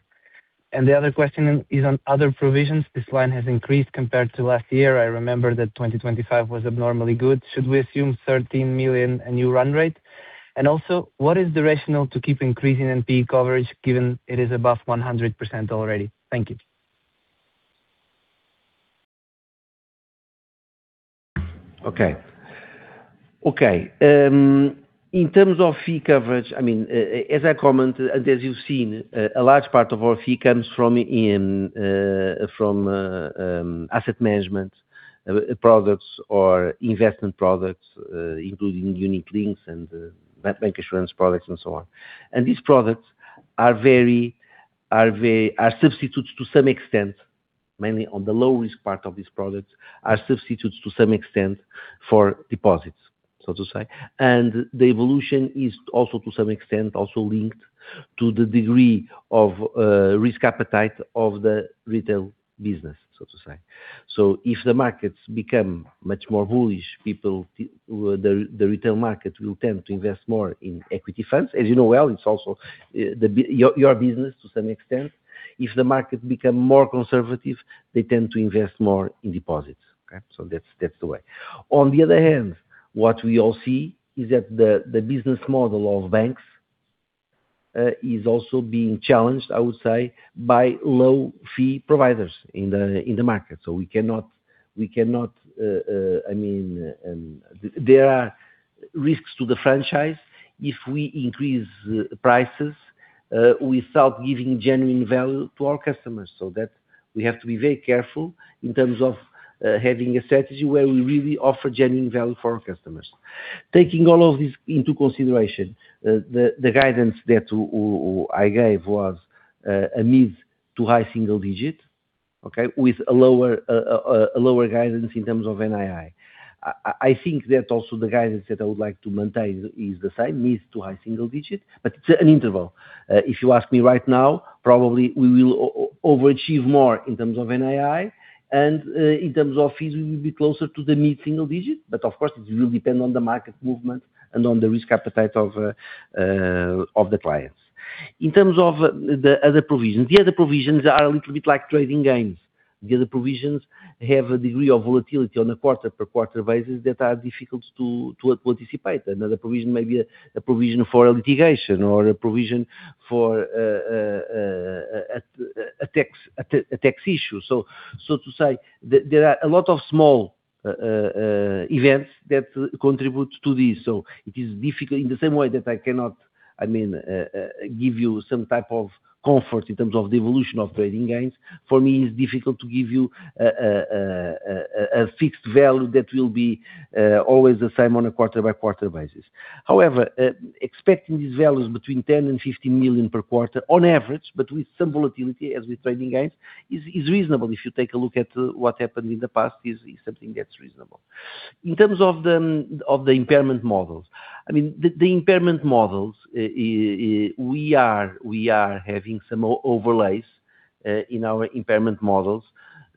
The other question is on other provisions. This line has increased compared to last year. I remember that 2025 was abnormally good. Should we assume 13 million a new run rate? Also, what is the rationale to keep increasing NPE coverage given it is above 100% already? Thank you. Okay. In terms of fee coverage, as I comment, as you've seen, a large part of our fee comes from asset management products or investment products, including unit-linked and bank insurance products, and so on. These products are substitutes to some extent, mainly on the low-risk part of these products, are substitutes to some extent for deposits, so to say. The evolution is also to some extent, also linked to the degree of risk appetite of the retail business. If the markets become much more bullish, the retail market will tend to invest more in equity funds. As you know well, it's also your business to some extent. If the market become more conservative, they tend to invest more in deposits. Okay? That's the way. On the other hand, what we all see is that the business model of banks is also being challenged, I would say, by low-fee providers in the market. There are risks to the franchise if we increase prices without giving genuine value to our customers. That we have to be very careful in terms of having a strategy where we really offer genuine value for our customers. Taking all of this into consideration, the guidance that I gave was a mid to high single digit. Okay? With a lower guidance in terms of NII. I think that also the guidance that I would like to maintain is the same, mid to high single digit, but it is an interval. If you ask me right now, probably we will overachieve more in terms of NII, and in terms of fees, we will be closer to the mid-single digit. Of course, it will depend on the market movement and on the risk appetite of the clients. In terms of the other provisions, the other provisions are a little bit like trading gains. The other provisions have a degree of volatility on a quarter-per-quarter basis that are difficult to anticipate. Another provision may be a provision for a litigation or a provision for a tax issue. To say, there are a lot of small events that contribute to this. It is difficult in the same way that I cannot give you some type of comfort in terms of the evolution of trading gains. For me, it is difficult to give you a fixed value that will be always the same on a quarter-by-quarter basis. However, expecting these values between 10 million and 15 million per quarter on average, but with some volatility as with trading gains is reasonable. If you take a look at what happened in the past is something that is reasonable. In terms of the impairment models. The impairment models, we are having some overlays in our impairment models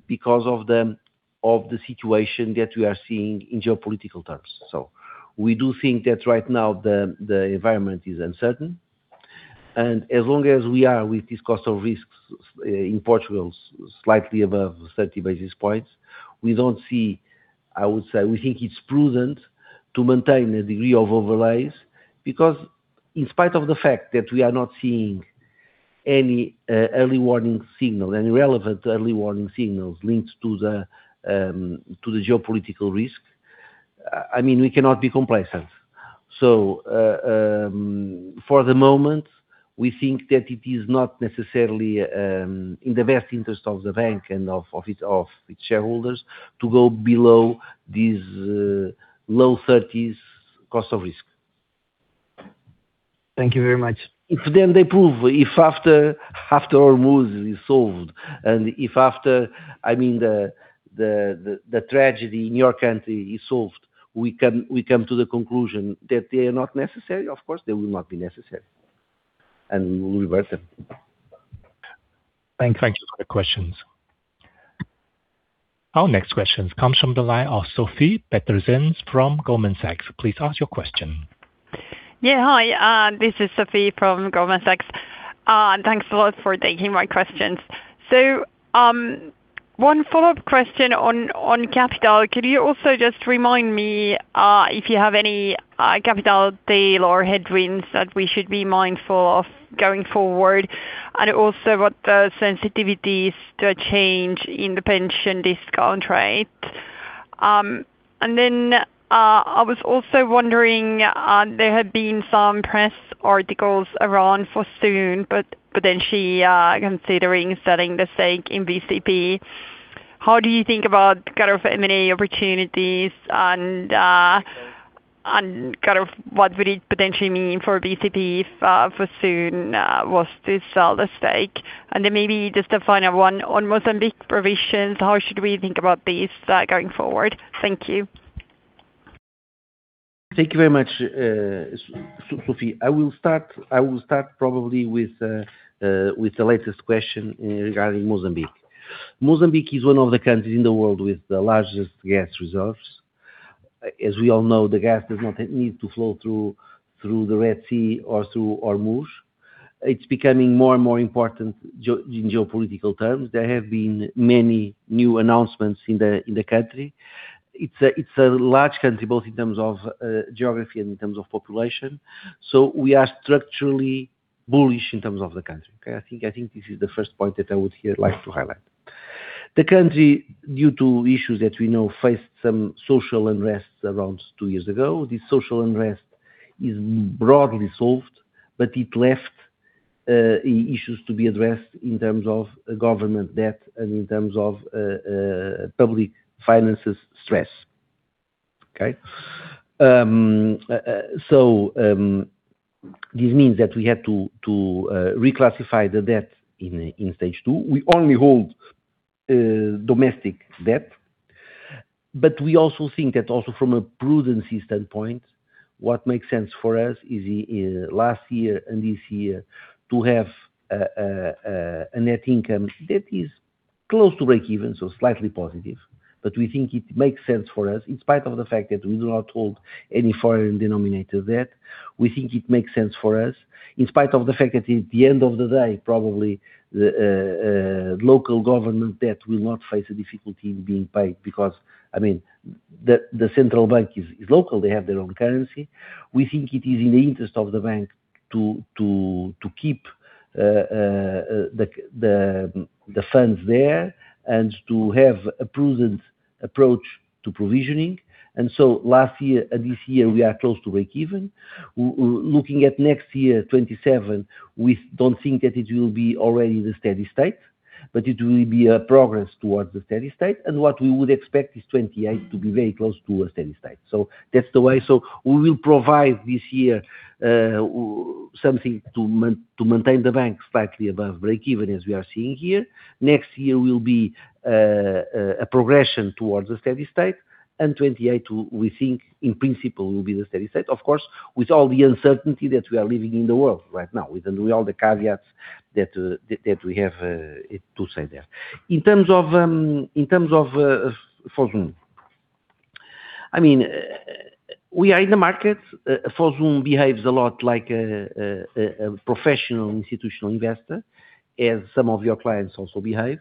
because of the situation that we are seeing in geopolitical terms. We do think that right now the environment is uncertain, and as long as we are with this Cost of Risk in Portugal, slightly above 30 basis points, we think it is prudent to maintain a degree of overlays because in spite of the fact that we are not seeing any early warning signal, any relevant early warning signals linked to the geopolitical risk, we cannot be complacent. For the moment, we think that it is not necessarily in the best interest of the bank and of its shareholders to go below these low 30s cost of risk. Thank you very much. If they prove, if after Hormuz is solved if after the tragedy in your country is solved, we come to the conclusion that they are not necessary, of course, they will not be necessary, and we will reverse it. Thank you. Thanks for the questions. Our next questions comes from the line of Sofie Peterzens from Goldman Sachs. Please ask your question. Yeah. Hi, this is Sofie from Goldman Sachs. Thanks a lot for taking my questions. One follow-up question on capital. Could you also just remind me, if you have any capital tail or headwinds that we should be mindful of going forward? What the sensitivities to a change in the pension discount rate. I was also wondering, there have been some press articles around Fosun, potentially considering selling the stake in BCP. How do you think about kind of M&A opportunities and, kind of what would it potentially mean for BCP if Fosun was to sell the stake? Maybe just a final one on Mozambique provisions, how should we think about these going forward? Thank you. Thank you very much, Sofie. I will start probably with the latest question regarding Mozambique. Mozambique is one of the countries in the world with the largest gas reserves. As we all know, the gas does not need to flow through the Red Sea or through Hormuz. It's becoming more and more important in geopolitical terms. There have been many new announcements in the country. It's a large country, both in terms of geography and in terms of population. We are structurally bullish in terms of the country. Okay? I think this is the first point that I would here like to highlight. The country, due to issues that we know, faced some social unrest around two years ago. This social unrest is broadly solved, but it left issues to be addressed in terms of government debt and in terms of public finances stress. Okay? This means that we had to reclassify the debt in stage two. We only hold domestic debt, but we also think that also from a prudency standpoint, what makes sense for us is last year and this year to have a net income that is close to breakeven, so slightly positive. We think it makes sense for us in spite of the fact that we do not hold any foreign-denominated debt. We think it makes sense for us in spite of the fact that at the end of the day, probably, the local government debt will not face a difficulty in being paid because the central bank is local. They have their own currency. We think it is in the interest of the bank to keep the funds there and to have a prudent approach to provisioning. Last year and this year, we are close to breakeven. Looking at next year, 2027, we don't think that it will be already the steady state, but it will be a progress towards the steady state. What we would expect is 2028 to be very close to a steady state. That's the way. We will provide this year something to maintain the bank slightly above breakeven as we are seeing here. Next year will be a progression towards the steady state and 2028, we think in principle will be the steady state. Of course, with all the uncertainty that we are living in the world right now, with all the caveats that we have to say there. In terms of Fosun We are in the market. Fosun behaves a lot like a professional institutional investor, as some of your clients also behave.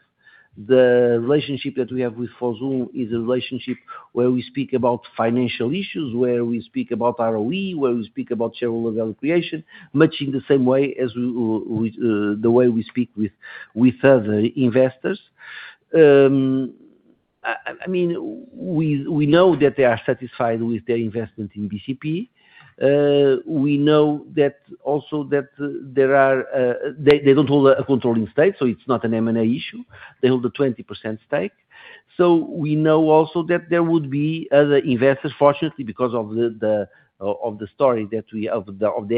The relationship that we have with Fosun is a relationship where we speak about financial issues, where we speak about ROE, where we speak about shareholder value creation, much in the same way as the way we speak with other investors. We know that they are satisfied with their investment in BCP. We know also that they don't hold a controlling stake, it's not an M&A issue. They hold a 20% stake. We know also that there would be other investors, fortunately, because of the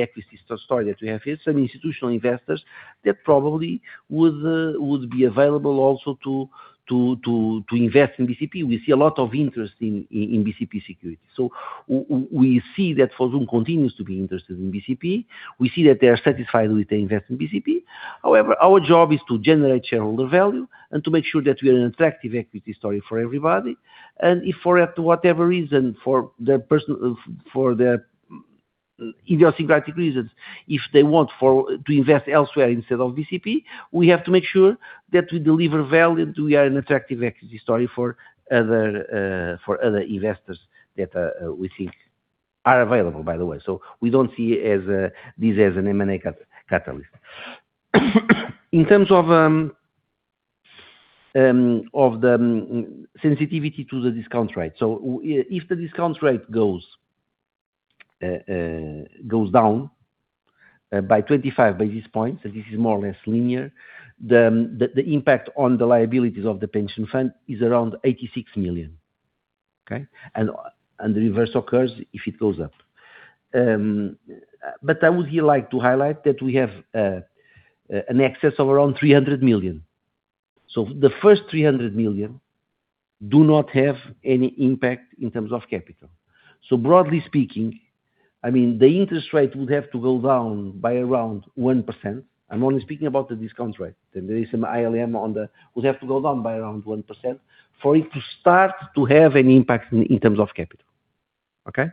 equity story that we have here, some institutional investors that probably would be available also to invest in BCP. We see a lot of interest in BCP security. We see that Fosun continues to be interested in BCP. We see that they are satisfied with their investment in BCP. However, our job is to generate shareholder value and to make sure that we are an attractive equity story for everybody. If for whatever reason, for their idiosyncratic reasons, if they want to invest elsewhere instead of BCP, we have to make sure that we deliver value and we are an attractive equity story for other investors that we think are available, by the way. We don't see this as an M&A catalyst. In terms of the sensitivity to the discount rate. If the discount rate goes down by 25 basis points, this is more or less linear, the impact on the liabilities of the pension fund is around 86 million. Okay? The reverse occurs if it goes up. I would like to highlight that we have an excess of around 300 million. The first 300 million do not have any impact in terms of capital. Broadly speaking, the interest rate would have to go down by around 1%. I'm only speaking about the discount rate. There is some ALM on the would have to go down by around 1% for it to start to have an impact in terms of capital. Okay?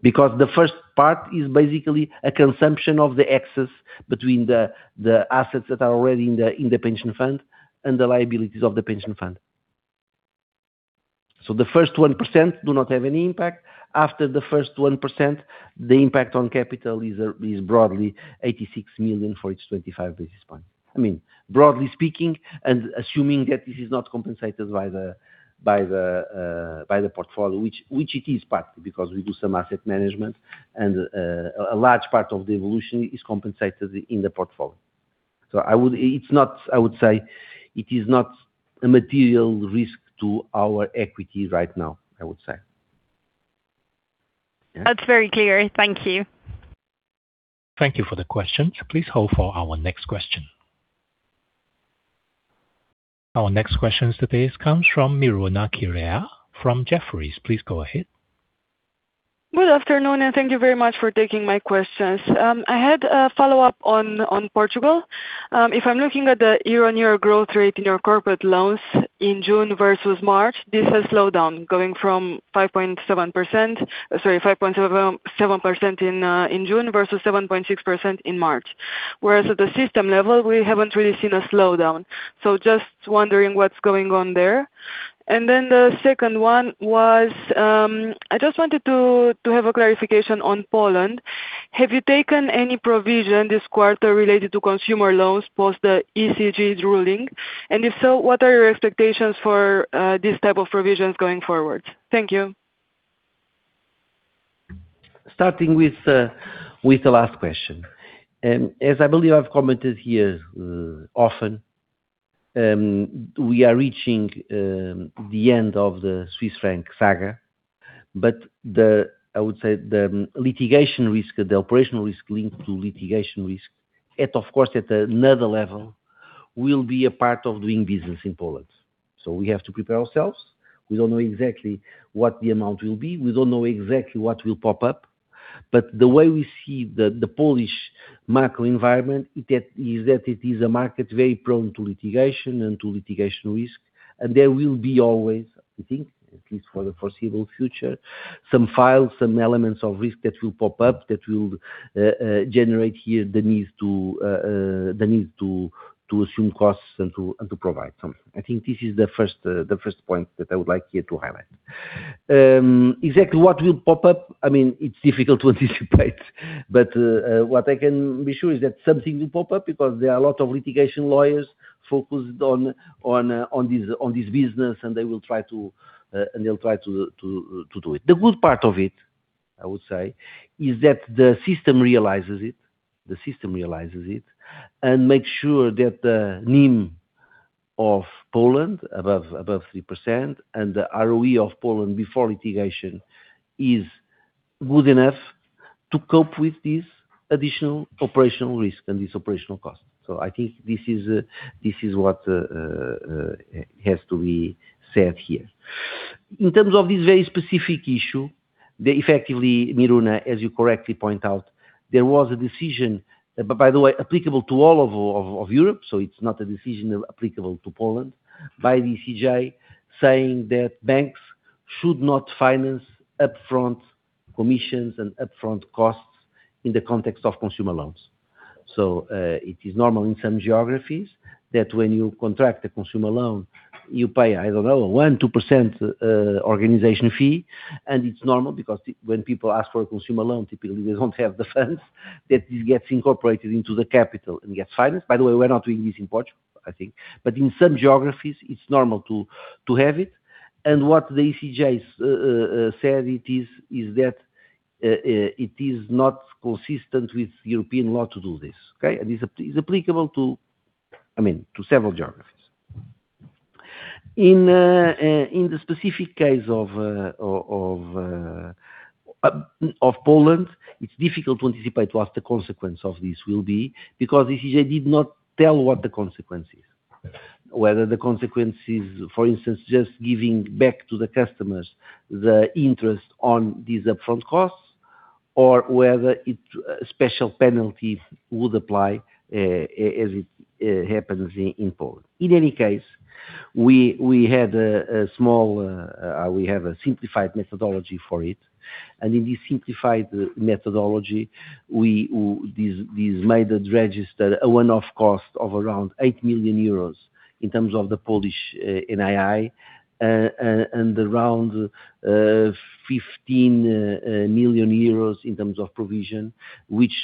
Because the first part is basically a consumption of the excess between the assets that are already in the pension fund and the liabilities of the pension fund. The first 1% do not have any impact. After the first 1%, the impact on capital is broadly 86 million for each 25 basis points. Broadly speaking, assuming that this is not compensated by the portfolio, which it is partly because we do some asset management. A large part of the evolution is compensated in the portfolio. I would say it is not a material risk to our equity right now. That's very clear. Thank you. Thank you for the question. Please hold for our next question. Our next question today comes from Miruna Chirea from Jefferies. Please go ahead. Good afternoon, and thank you very much for taking my questions. I had a follow-up on Portugal. If I'm looking at the year-on-year growth rate in your corporate loans in June versus March, this has slowed down, going from 5.7% in June versus 7.6% in March. Just wondering what's going on there. Then the second one was, I just wanted to have a clarification on Poland. Have you taken any provision this quarter related to consumer loans post the ECJ's ruling? If so, what are your expectations for these type of provisions going forward? Thank you. Starting with the last question. As I believe I've commented here often, we are reaching the end of the Swiss franc saga. I would say the litigation risk, the operational risk linked to litigation risk, of course, at another level, will be a part of doing business in Poland. We have to prepare ourselves. We don't know exactly what the amount will be. We don't know exactly what will pop up. The way we see the Polish macro environment is that it is a market very prone to litigation and to litigation risk, and there will be always, I think, at least for the foreseeable future, some files, some elements of risk that will pop up that will generate here the need to assume costs and to provide something. I think this is the first point that I would like here to highlight. Exactly what will pop up, it's difficult to anticipate, but what I can be sure is that something will pop up because there are a lot of litigation lawyers focused on this business, and they will try to do it. The good part of it, I would say, is that the system realizes it and makes sure that the NIM of Poland above 3% and the ROE of Poland before litigation is good enough to cope with this additional operational risk and this operational cost. I think this is what has to be said here. In terms of this very specific issue, effectively, Miruna, as you correctly point out, there was a decision, by the way, applicable to all of Europe, it's not a decision applicable to Poland, by the ECJ saying that banks should not finance upfront commissions and upfront costs in the context of consumer loans. It is normal in some geographies that when you contract a consumer loan, you pay, I don't know, 1%, 2% organization fee. It's normal because when people ask for a consumer loan, typically they don't have the funds. That gets incorporated into the capital and gets financed. By the way, we're not doing this in Portugal, I think. In some geographies, it's normal to have it. What the ECJ said it is that it is not consistent with European law to do this. Okay. It's applicable to several geographies. In the specific case of Poland, it's difficult to anticipate what the consequence of this will be, because ECJ did not tell what the consequence is. Whether the consequence is, for instance, just giving back to the customers the interest on these upfront costs or whether special penalties would apply, as it happens in Poland. In any case, we have a simplified methodology for it, and in this simplified methodology, this made it register a one-off cost of around 8 million euros in terms of the Polish NII and around 15 million euros in terms of provision, which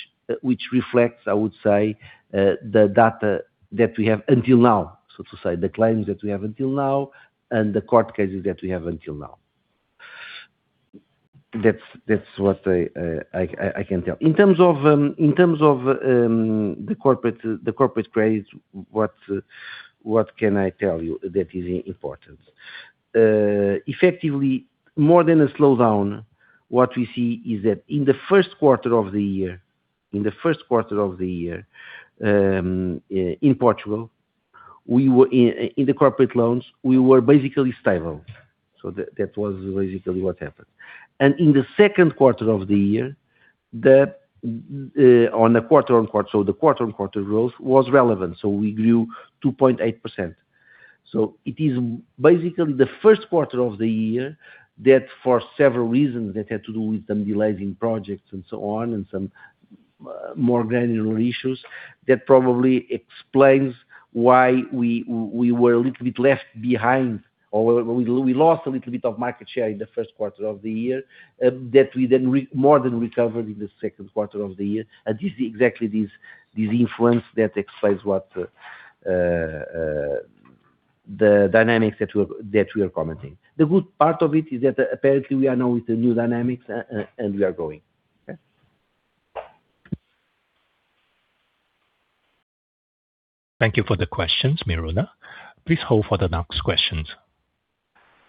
reflects, I would say, the data that we have until now, so to say, the claims that we have until now and the court cases that we have until now. That's what I can tell. In terms of the corporate grades, what can I tell you that is important? Effectively, more than a slowdown, what we see is that in the first quarter of the year in Portugal, in the corporate loans, we were basically stable. That was basically what happened. In the second quarter of the year, on the quarter-on-quarter, the quarter-on-quarter growth was relevant. We grew 2.8%. It is basically the first quarter of the year that for several reasons that had to do with some delays in projects and so on, and some more granular issues that probably explains why we were a little bit left behind, or we lost a little bit of market share in the first quarter of the year. That we then more than recovered in the second quarter of the year. This is exactly this influence that explains what the dynamics that we are commenting. The good part of it is that apparently we are now with the new dynamics, and we are growing. Okay. Thank you for the questions, Miruna. Please hold for the next questions.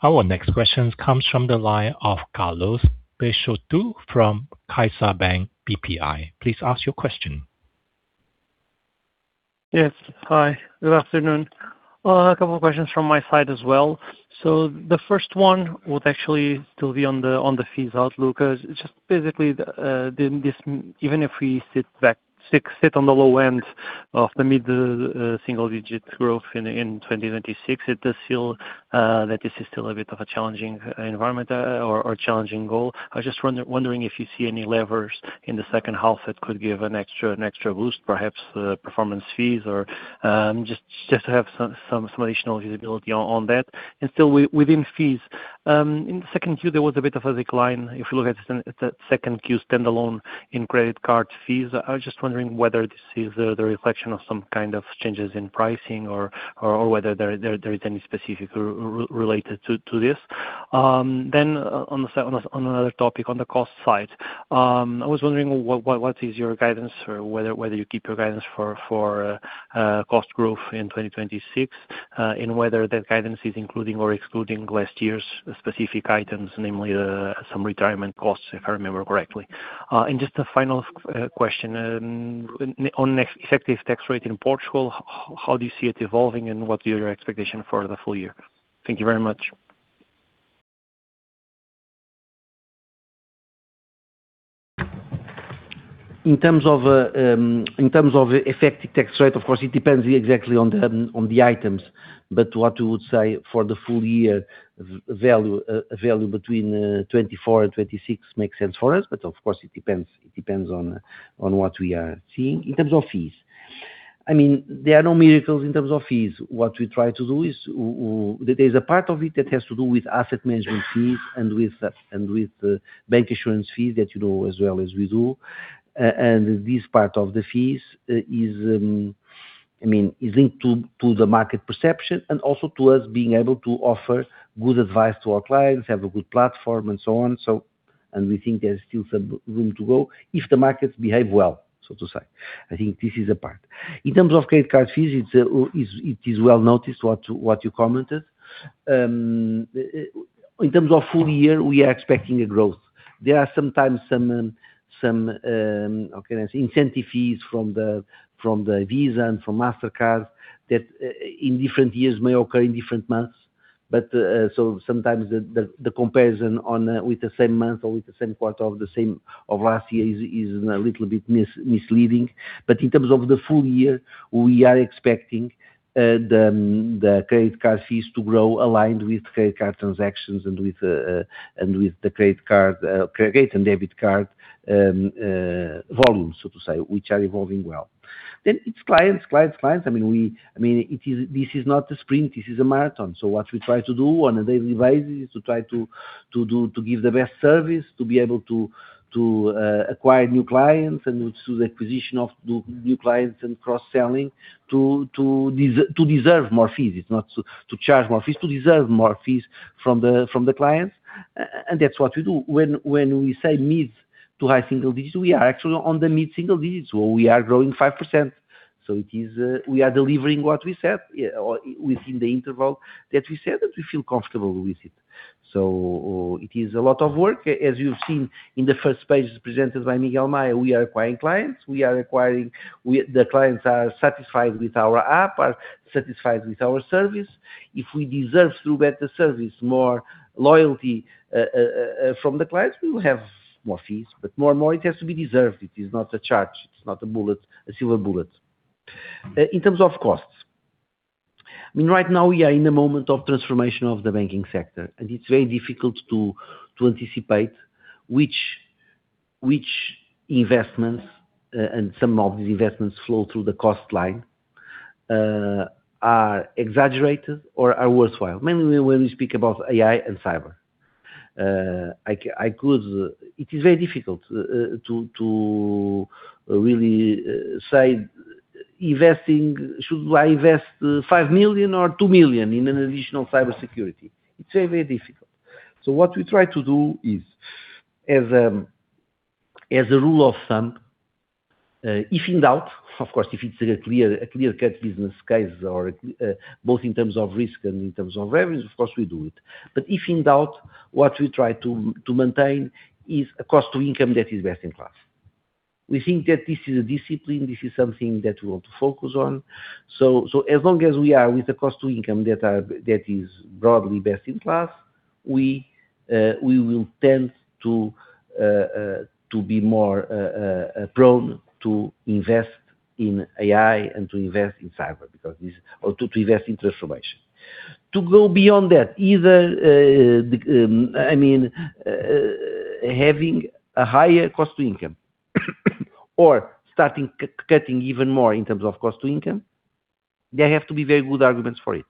Our next question comes from the line of Carlos Peixoto from CaixaBank BPI. Please ask your question. Yes. Hi, good afternoon. A couple of questions from my side as well. The first one would actually still be on the fees outlook. Just basically, even if we sit on the low end of the mid-single-digit growth in 2026, it does feel that this is still a bit of a challenging environment or challenging goal. I was just wondering if you see any levers in the second half that could give an extra boost, perhaps performance fees or just to have some additional visibility on that. Still within fees, in the second Q, there was a bit of a decline. If you look at the second Q standalone in credit card fees, I was just wondering whether this is the reflection of some kind of changes in pricing or whether there is any specific related to this. On another topic, on the cost side, I was wondering what is your guidance or whether you keep your guidance for cost growth in 2026, and whether that guidance is including or excluding last year's specific items, namely some retirement costs, if I remember correctly. Just a final question, on effective tax rate in Portugal, how do you see it evolving and what is your expectation for the full year? Thank you very much. In terms of effective tax rate, of course, it depends exactly on the items, but what we would say for the full year value, a value between 24 and 26 makes sense for us. Of course, it depends on what we are seeing. In terms of fees, there are no miracles in terms of fees. What we try to do is, there's a part of it that has to do with asset management fees and with bank insurance fees that you know as well as we do. This part of the fees is linked to the market perception and also to us being able to offer good advice to our clients, have a good platform and so on. We think there's still some room to grow if the markets behave well, so to say. I think this is a part. In terms of credit card fees, it is well noticed what you commented. In terms of full year, we are expecting a growth. There are some times some, how can I say, incentive fees from Visa and from Mastercard that in different years may occur in different months. Sometimes the comparison with the same month or with the same quarter of last year is a little bit misleading. In terms of the full year, we are expecting the credit card fees to grow aligned with credit card transactions and with the credit and debit card volumes, so to say, which are evolving well. It is clients. This is not a sprint, this is a marathon. What we try to do on a daily basis is to try to give the best service, to be able to acquire new clients and through the acquisition of new clients and cross-selling, to deserve more fees. It is not to charge more fees, to deserve more fees from the clients, and that is what we do. When we say mid to high single digits, we are actually on the mid single digits, we are growing 5%. We are delivering what we said, or within the interval that we said, and we feel comfortable with it. It is a lot of work. As you have seen in the first page presented by Miguel Maya, we are acquiring clients. The clients are satisfied with our app, are satisfied with our service. If we deserve to get the service, more loyalty from the clients, we will have more fees, but more and more it has to be deserved. It is not a charge, it is not a silver bullet. In terms of costs. Right now, we are in a moment of transformation of the banking sector, and it is very difficult to anticipate which investments, and some of these investments flow through the cost line, are exaggerated or are worthwhile, mainly when we speak about AI and cyber. It is very difficult to really say, should I invest 5 million or 2 million in an additional cybersecurity? It is very difficult. What we try to do is, as a rule of thumb, if in doubt, of course, if it is a clear-cut business case or both in terms of risk and in terms of revenues, of course, we do it. If in doubt, what we try to maintain is a cost-to-income that is best in class. We think that this is a discipline, this is something that we want to focus on. As long as we are with the cost-to-income that is broadly best in class, we will tend to be more prone to invest in AI and to invest in cyber or to invest in transformation. To go beyond that, either having a higher cost-to-income or starting cutting even more in terms of cost-to-income, there have to be very good arguments for it.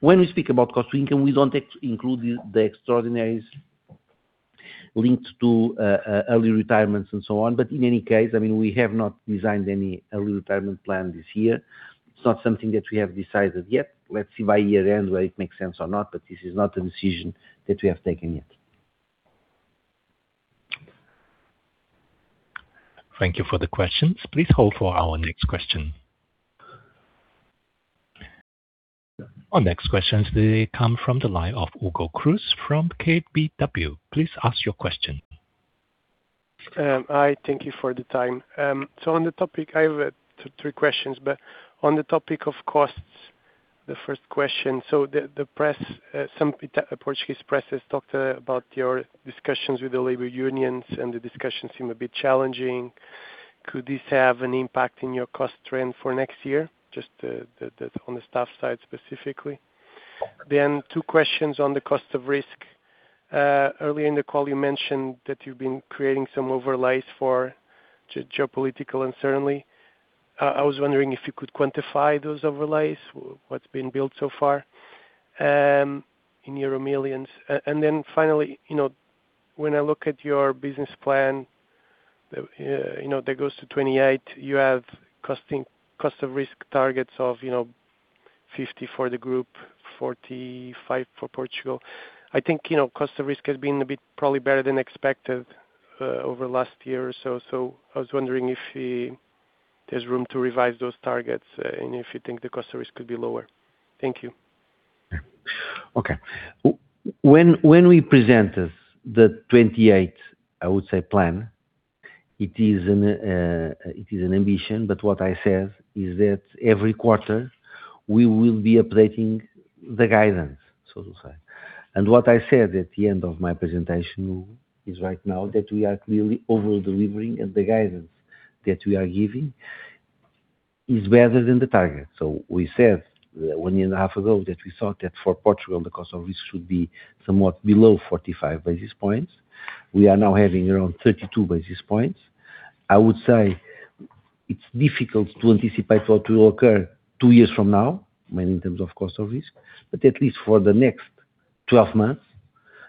When we speak about cost-to-income, we do not include the extraordinaries linked to early retirements and so on. In any case, we have not designed any early retirement plan this year. It is not something that we have decided yet. Let's see by year-end whether it makes sense or not, this is not a decision that we have taken yet. Thank you for the questions. Please hold for our next question. Our next question today comes from the line of Hugo Cruz from KBW. Please ask your question. Hi, thank you for the time. On the topic of costs, the first question, some Portuguese press has talked about your discussions with the labor unions, the discussions seem a bit challenging. Could this have an impact on your cost trend for next year? Just on the staff side specifically. Two questions on the cost of risk. Earlier in the call, you mentioned that you've been creating some overlays for geopolitical uncertainty. I was wondering if you could quantify those overlays, what's been built so far, in euro millions. Finally, when I look at your business plan that goes to 2028, you have cost of risk targets of 50% for the group, 45% for Portugal. I think, cost of risk has been a bit probably better than expected over last year or so. I was wondering if there's room to revise those targets and if you think the cost of risk could be lower. Thank you. Okay. When we presented the 2028, I would say plan, it is an ambition, but what I said is that every quarter we will be updating the guidance, so to say. What I said at the end of my presentation is right now that we are clearly over-delivering, and the guidance that we are giving is better than the target. We said one year and a half ago that we thought that for Portugal, the cost of risk should be somewhat below 45 basis points. We are now having around 32 basis points. I would say it is difficult to anticipate what will occur two years from now, mainly in terms of cost of risk. At least for the next 12 months,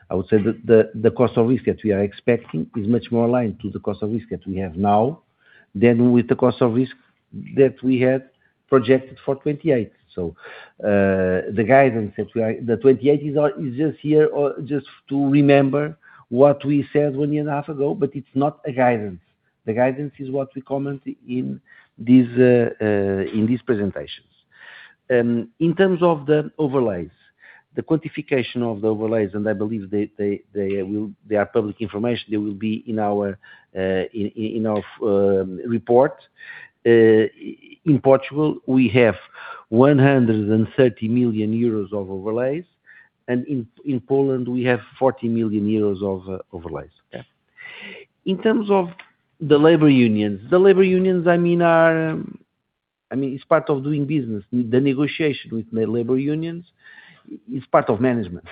I would say that the cost of risk that we are expecting is much more aligned to the cost of risk that we have now than with the cost of risk that we had projected for 2028. The guidance, the 2028 is just here or just to remember what we said 1.5 year ago, but it is not a guidance. The guidance is what we comment in these presentations. In terms of the overlays. The quantification of the overlays, and I believe they are public information, they will be in our report. In Portugal, we have 130 million euros of overlays, and in Poland we have 40 million euros of overlays. Yeah. In terms of the labor unions, it is part of doing business. The negotiation with my labor unions is part of management,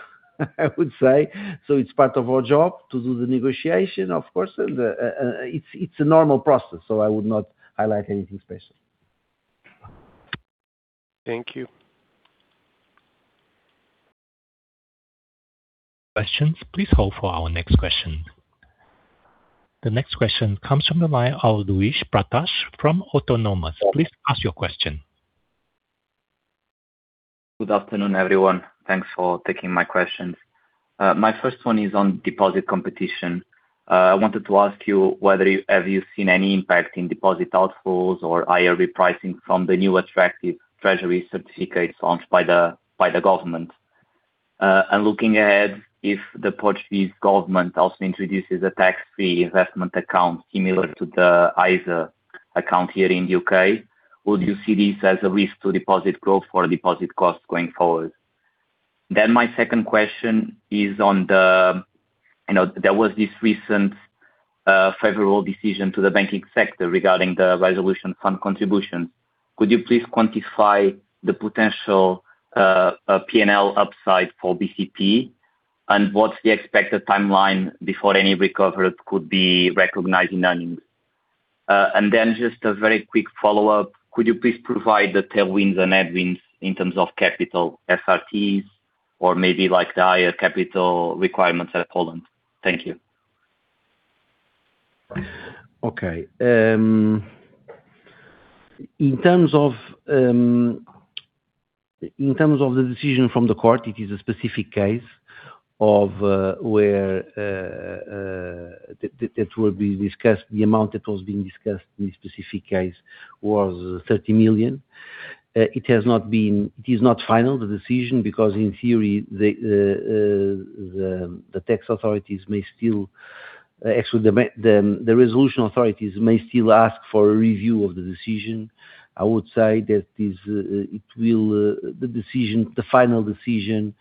I would say. It is part of our job to do the negotiation, of course, and it is a normal process, so I would not highlight anything special. Thank you. Questions, please hold for our next question. The next question comes from the line of Luis Pratas from Autonomous. Please ask your question. Good afternoon, everyone. Thanks for taking my questions. My first one is on deposit competition. I wanted to ask you whether have you seen any impact in deposit outflows or higher repricing from the new attractive Treasury certificates launched by the government? Looking ahead, if the Portuguese government also introduces a tax-free investment account similar to the ISA account here in the U.K., would you see this as a risk to deposit growth or deposit costs going forward? My second question is on the, there was this recent favorable decision to the banking sector regarding the resolution fund contribution. Could you please quantify the potential P&L upside for BCP? What's the expected timeline before any recovery could be recognized in earnings? Just a very quick follow-up. Could you please provide the tailwinds and headwinds in terms of capital SRTs or maybe like the higher capital requirements at Poland? Thank you. Okay. In terms of the decision from the court, it is a specific case that will be discussed. The amount that was being discussed in this specific case was 30 million. It is not final, the decision, because in theory, the resolution authorities may still ask for a review of the decision. I would say that the final decision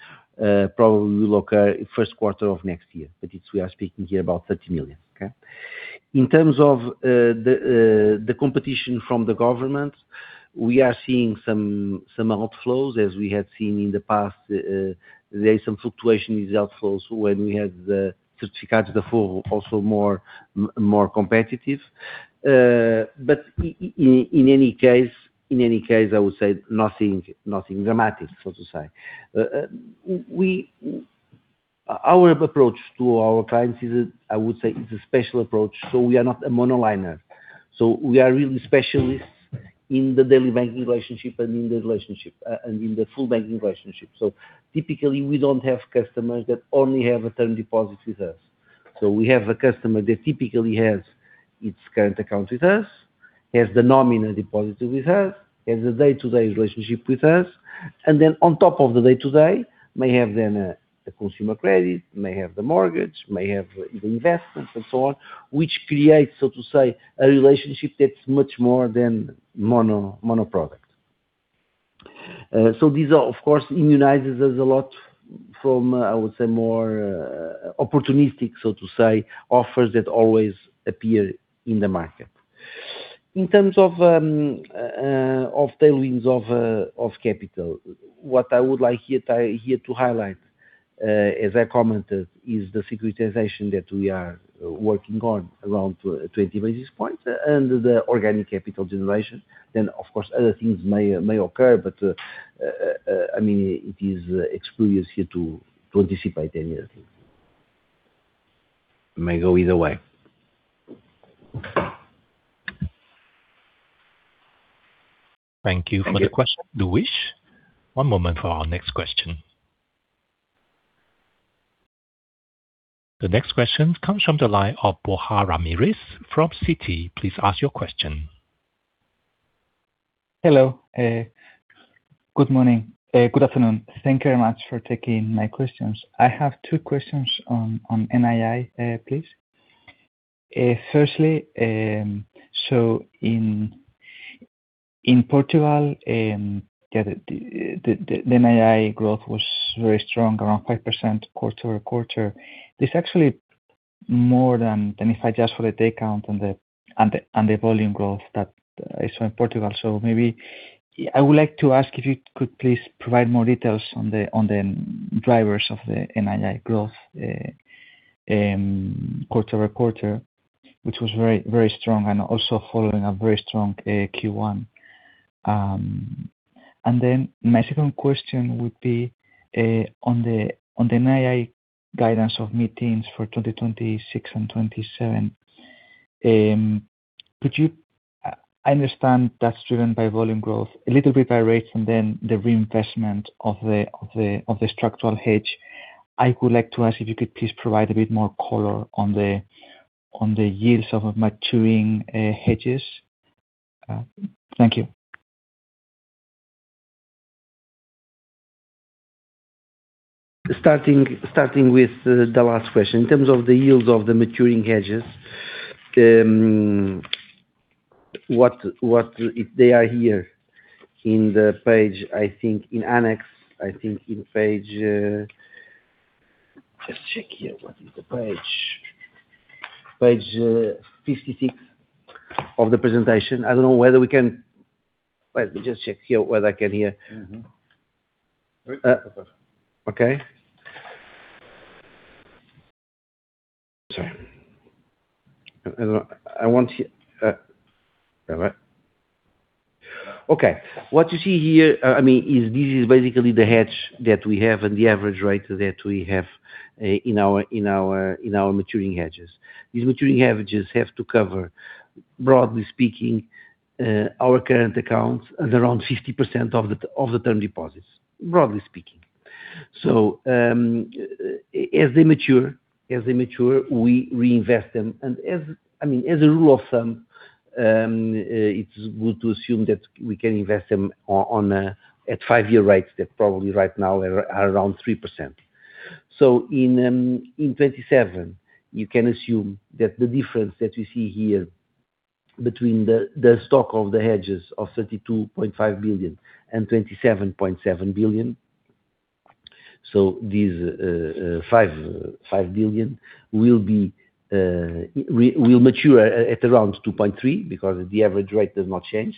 probably will occur first quarter of next year. We are speaking here about 30 million, okay? In terms of the competition from the government, we are seeing some outflows, as we had seen in the past. There is some fluctuation with the outflows when we had the Certificados de Aforro also more competitive. In any case, I would say nothing dramatic, so to say. Our approach to our clients is, I would say, is a special approach. We are not a monoliner. We are really specialists in the daily banking relationship and in the full banking relationship. Typically, we don't have customers that only have a term deposit with us. We have a customer that typically has its current account with us, has the nominal deposit with us, has a day-to-day relationship with us, and then on top of the day-to-day, may have then a consumer credit, may have the mortgage, may have investments and so on, which creates, so to say, a relationship that's much more than mono product. These, of course, immunizes us a lot from, I would say, more opportunistic, so to say, offers that always appear in the market. In terms of tailwinds of capital, what I would like here to highlight, as I commented, is the securitization that we are working on around 20 basis points and the organic capital generation. Of course, other things may occur, but it is elusive to anticipate anything. It may go either way. Thank you for the question, Luis. One moment for our next question. The next question comes from the line of Borja Ramirez from Citi. Please ask your question. Hello. Good morning. Good afternoon. Thank you very much for taking my questions. I have two questions on NII, please. Firstly, in Portugal, the NII growth was very strong, around 5% quarter-over-quarter. It's actually more than if I adjust for the day count and the volume growth that I saw in Portugal. Maybe I would like to ask if you could please provide more details on the drivers of the NII growth quarter-over-quarter, which was very strong and also following a very strong Q1. My second question would be on the NII guidance of mid-teens for 2026 and 2027. I understand that's driven by volume growth, a little bit by rates, and then the reinvestment of the structural hedge. I would like to ask if you could please provide a bit more color on the yields of maturing hedges Thank you. Starting with the last question. In terms of the yields of the maturing hedges, they are here in the page, I think in annex, let's check here what is the page. Page 56 of the presentation. Let me just check here whether I can here. Okay. Sorry. Okay. What you see here, this is basically the hedge that we have and the average rate that we have in our maturing hedges. These maturing hedges have to cover, broadly speaking, our current accounts at around 50% of the term deposits, broadly speaking. As they mature, we reinvest them. As a rule of thumb, it's good to assume that we can invest them at five-year rates that probably right now are around 3%. In 2027, you can assume that the difference that you see here between the stock of the hedges of 32.5 billion and 27.7 billion, this 5 billion will mature at around 2.3% because the average rate does not change,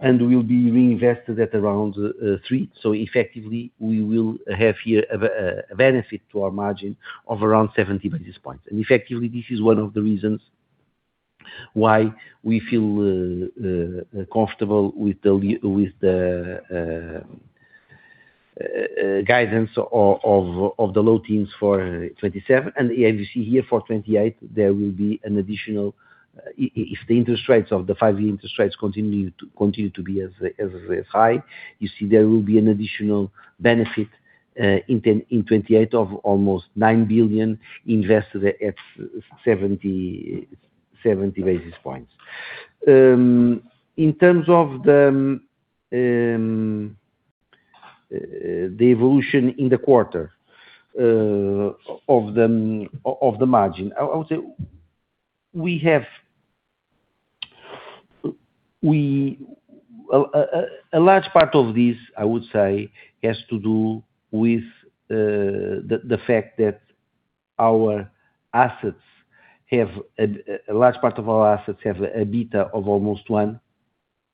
and will be reinvested at around 3%. Effectively, we will have here a benefit to our margin of around 70 basis points. Effectively, this is one of the reasons why we feel comfortable with the guidance of the low teens for 2027. You see here for 2028, if the five-year interest rates continue to be as high, you see there will be an additional benefit in 2028 of almost 9 billion invested at 70 basis points. In terms of the evolution in the quarter of the margin, a large part of this, I would say, has to do with the fact that a large part of our assets have a beta of almost one,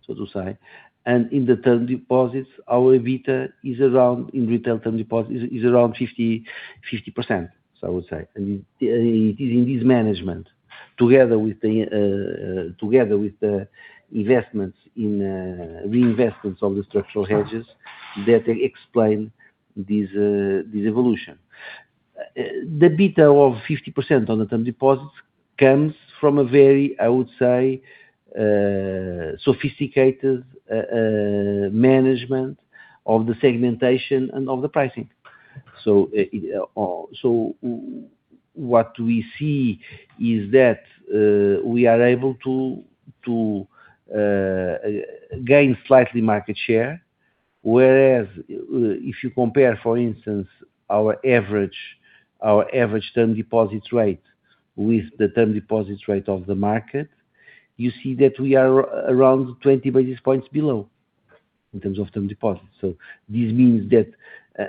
so to say. In retail term deposits is around 50%, so I would say. It is in this management, together with the reinvestments of the structural hedges that explain this evolution. The beta of 50% on the term deposits comes from a very, I would say, sophisticated management of the segmentation and of the pricing. What we see is that we are able to gain slightly market share, whereas if you compare, for instance, our average term deposits rate with the term deposits rate of the market, you see that we are around 20 basis points below in terms of term deposits. This means that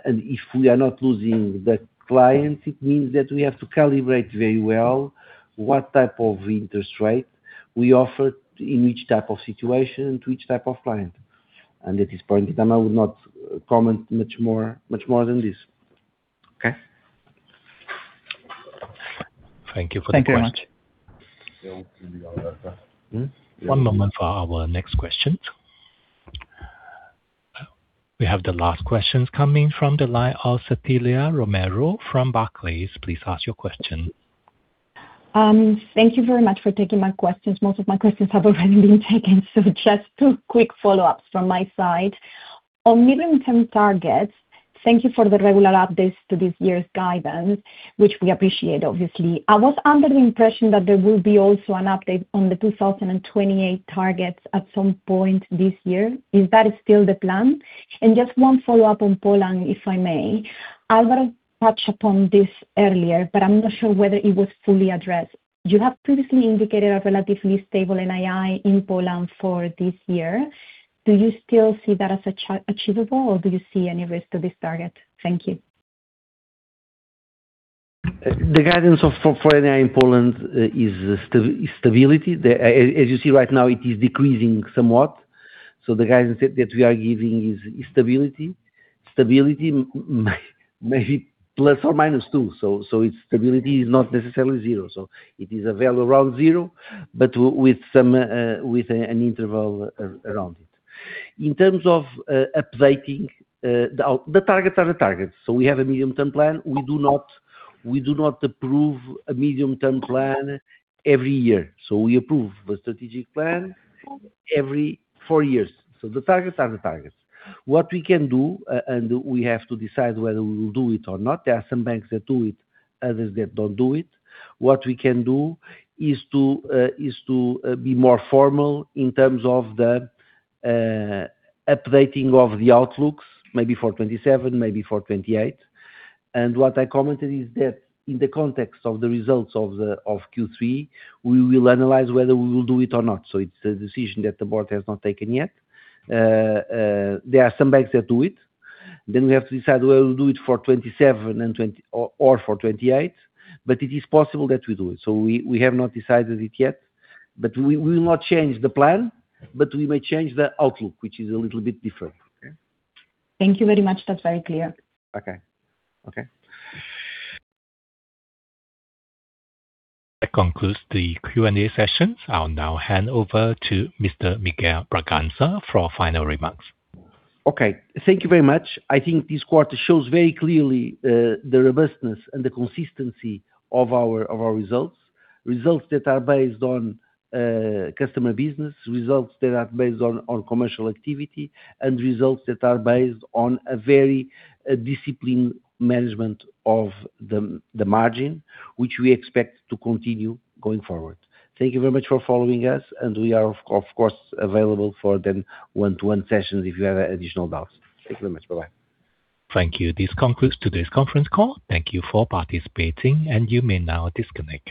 if we are not losing the clients, it means that we have to calibrate very well what type of interest rate we offer in each type of situation to each type of client. At this point in time, I would not comment much more than this. Okay? Thank you for the question. Thank you very much. One moment for our next question. We have the last questions coming from the line of Cecilia Romero from Barclays. Please ask your question. Thank you very much for taking my questions. Most of my questions have already been taken, so just two quick follow-ups from my side. On medium-term targets, thank you for the regular updates to this year's guidance, which we appreciate, obviously. I was under the impression that there will be also an update on the 2028 targets at some point this year. Is that still the plan? Just one follow-up on Poland, if I may. Álvaro touched upon this earlier, but I'm not sure whether it was fully addressed. You have previously indicated a relatively stable NII in Poland for this year. Do you still see that as achievable, or do you see any risk to this target? Thank you. The guidance for NII in Poland is stability. As you see right now, it is decreasing somewhat. The guidance that we are giving is stability. Stability, maybe ±2. Its stability is not necessarily zero. It is a value around zero, but with an interval around it. In terms of updating, the targets are the targets. We have a medium-term plan. We do not approve a medium-term plan every year. We approve the strategic plan every four years. The targets are the targets. What we can do, and we have to decide whether we will do it or not. There are some banks that do it, others that don't do it. What we can do is to be more formal in terms of the updating of the outlooks, maybe for 2027, maybe for 2028. What I commented is that in the context of the results of Q3, we will analyze whether we will do it or not. It's a decision that the board has not taken yet. There are some banks that do it. We have to decide whether we'll do it for 2027 or for 2028. It is possible that we do it. We have not decided it yet. We will not change the plan, but we may change the outlook, which is a little bit different. Okay. Thank you very much. That's very clear. Okay. That concludes the Q&A session. I'll now hand over to Mr. Miguel Bragança for final remarks. Okay. Thank you very much. I think this quarter shows very clearly the robustness and the consistency of our results. Results that are based on customer business, results that are based on commercial activity, and results that are based on a very disciplined management of the margin, which we expect to continue going forward. Thank you very much for following us, and we are, of course, available for the one-to-one sessions if you have additional doubts. Thank you very much. Bye-bye. Thank you. This concludes today's conference call. Thank you for participating, and you may now disconnect.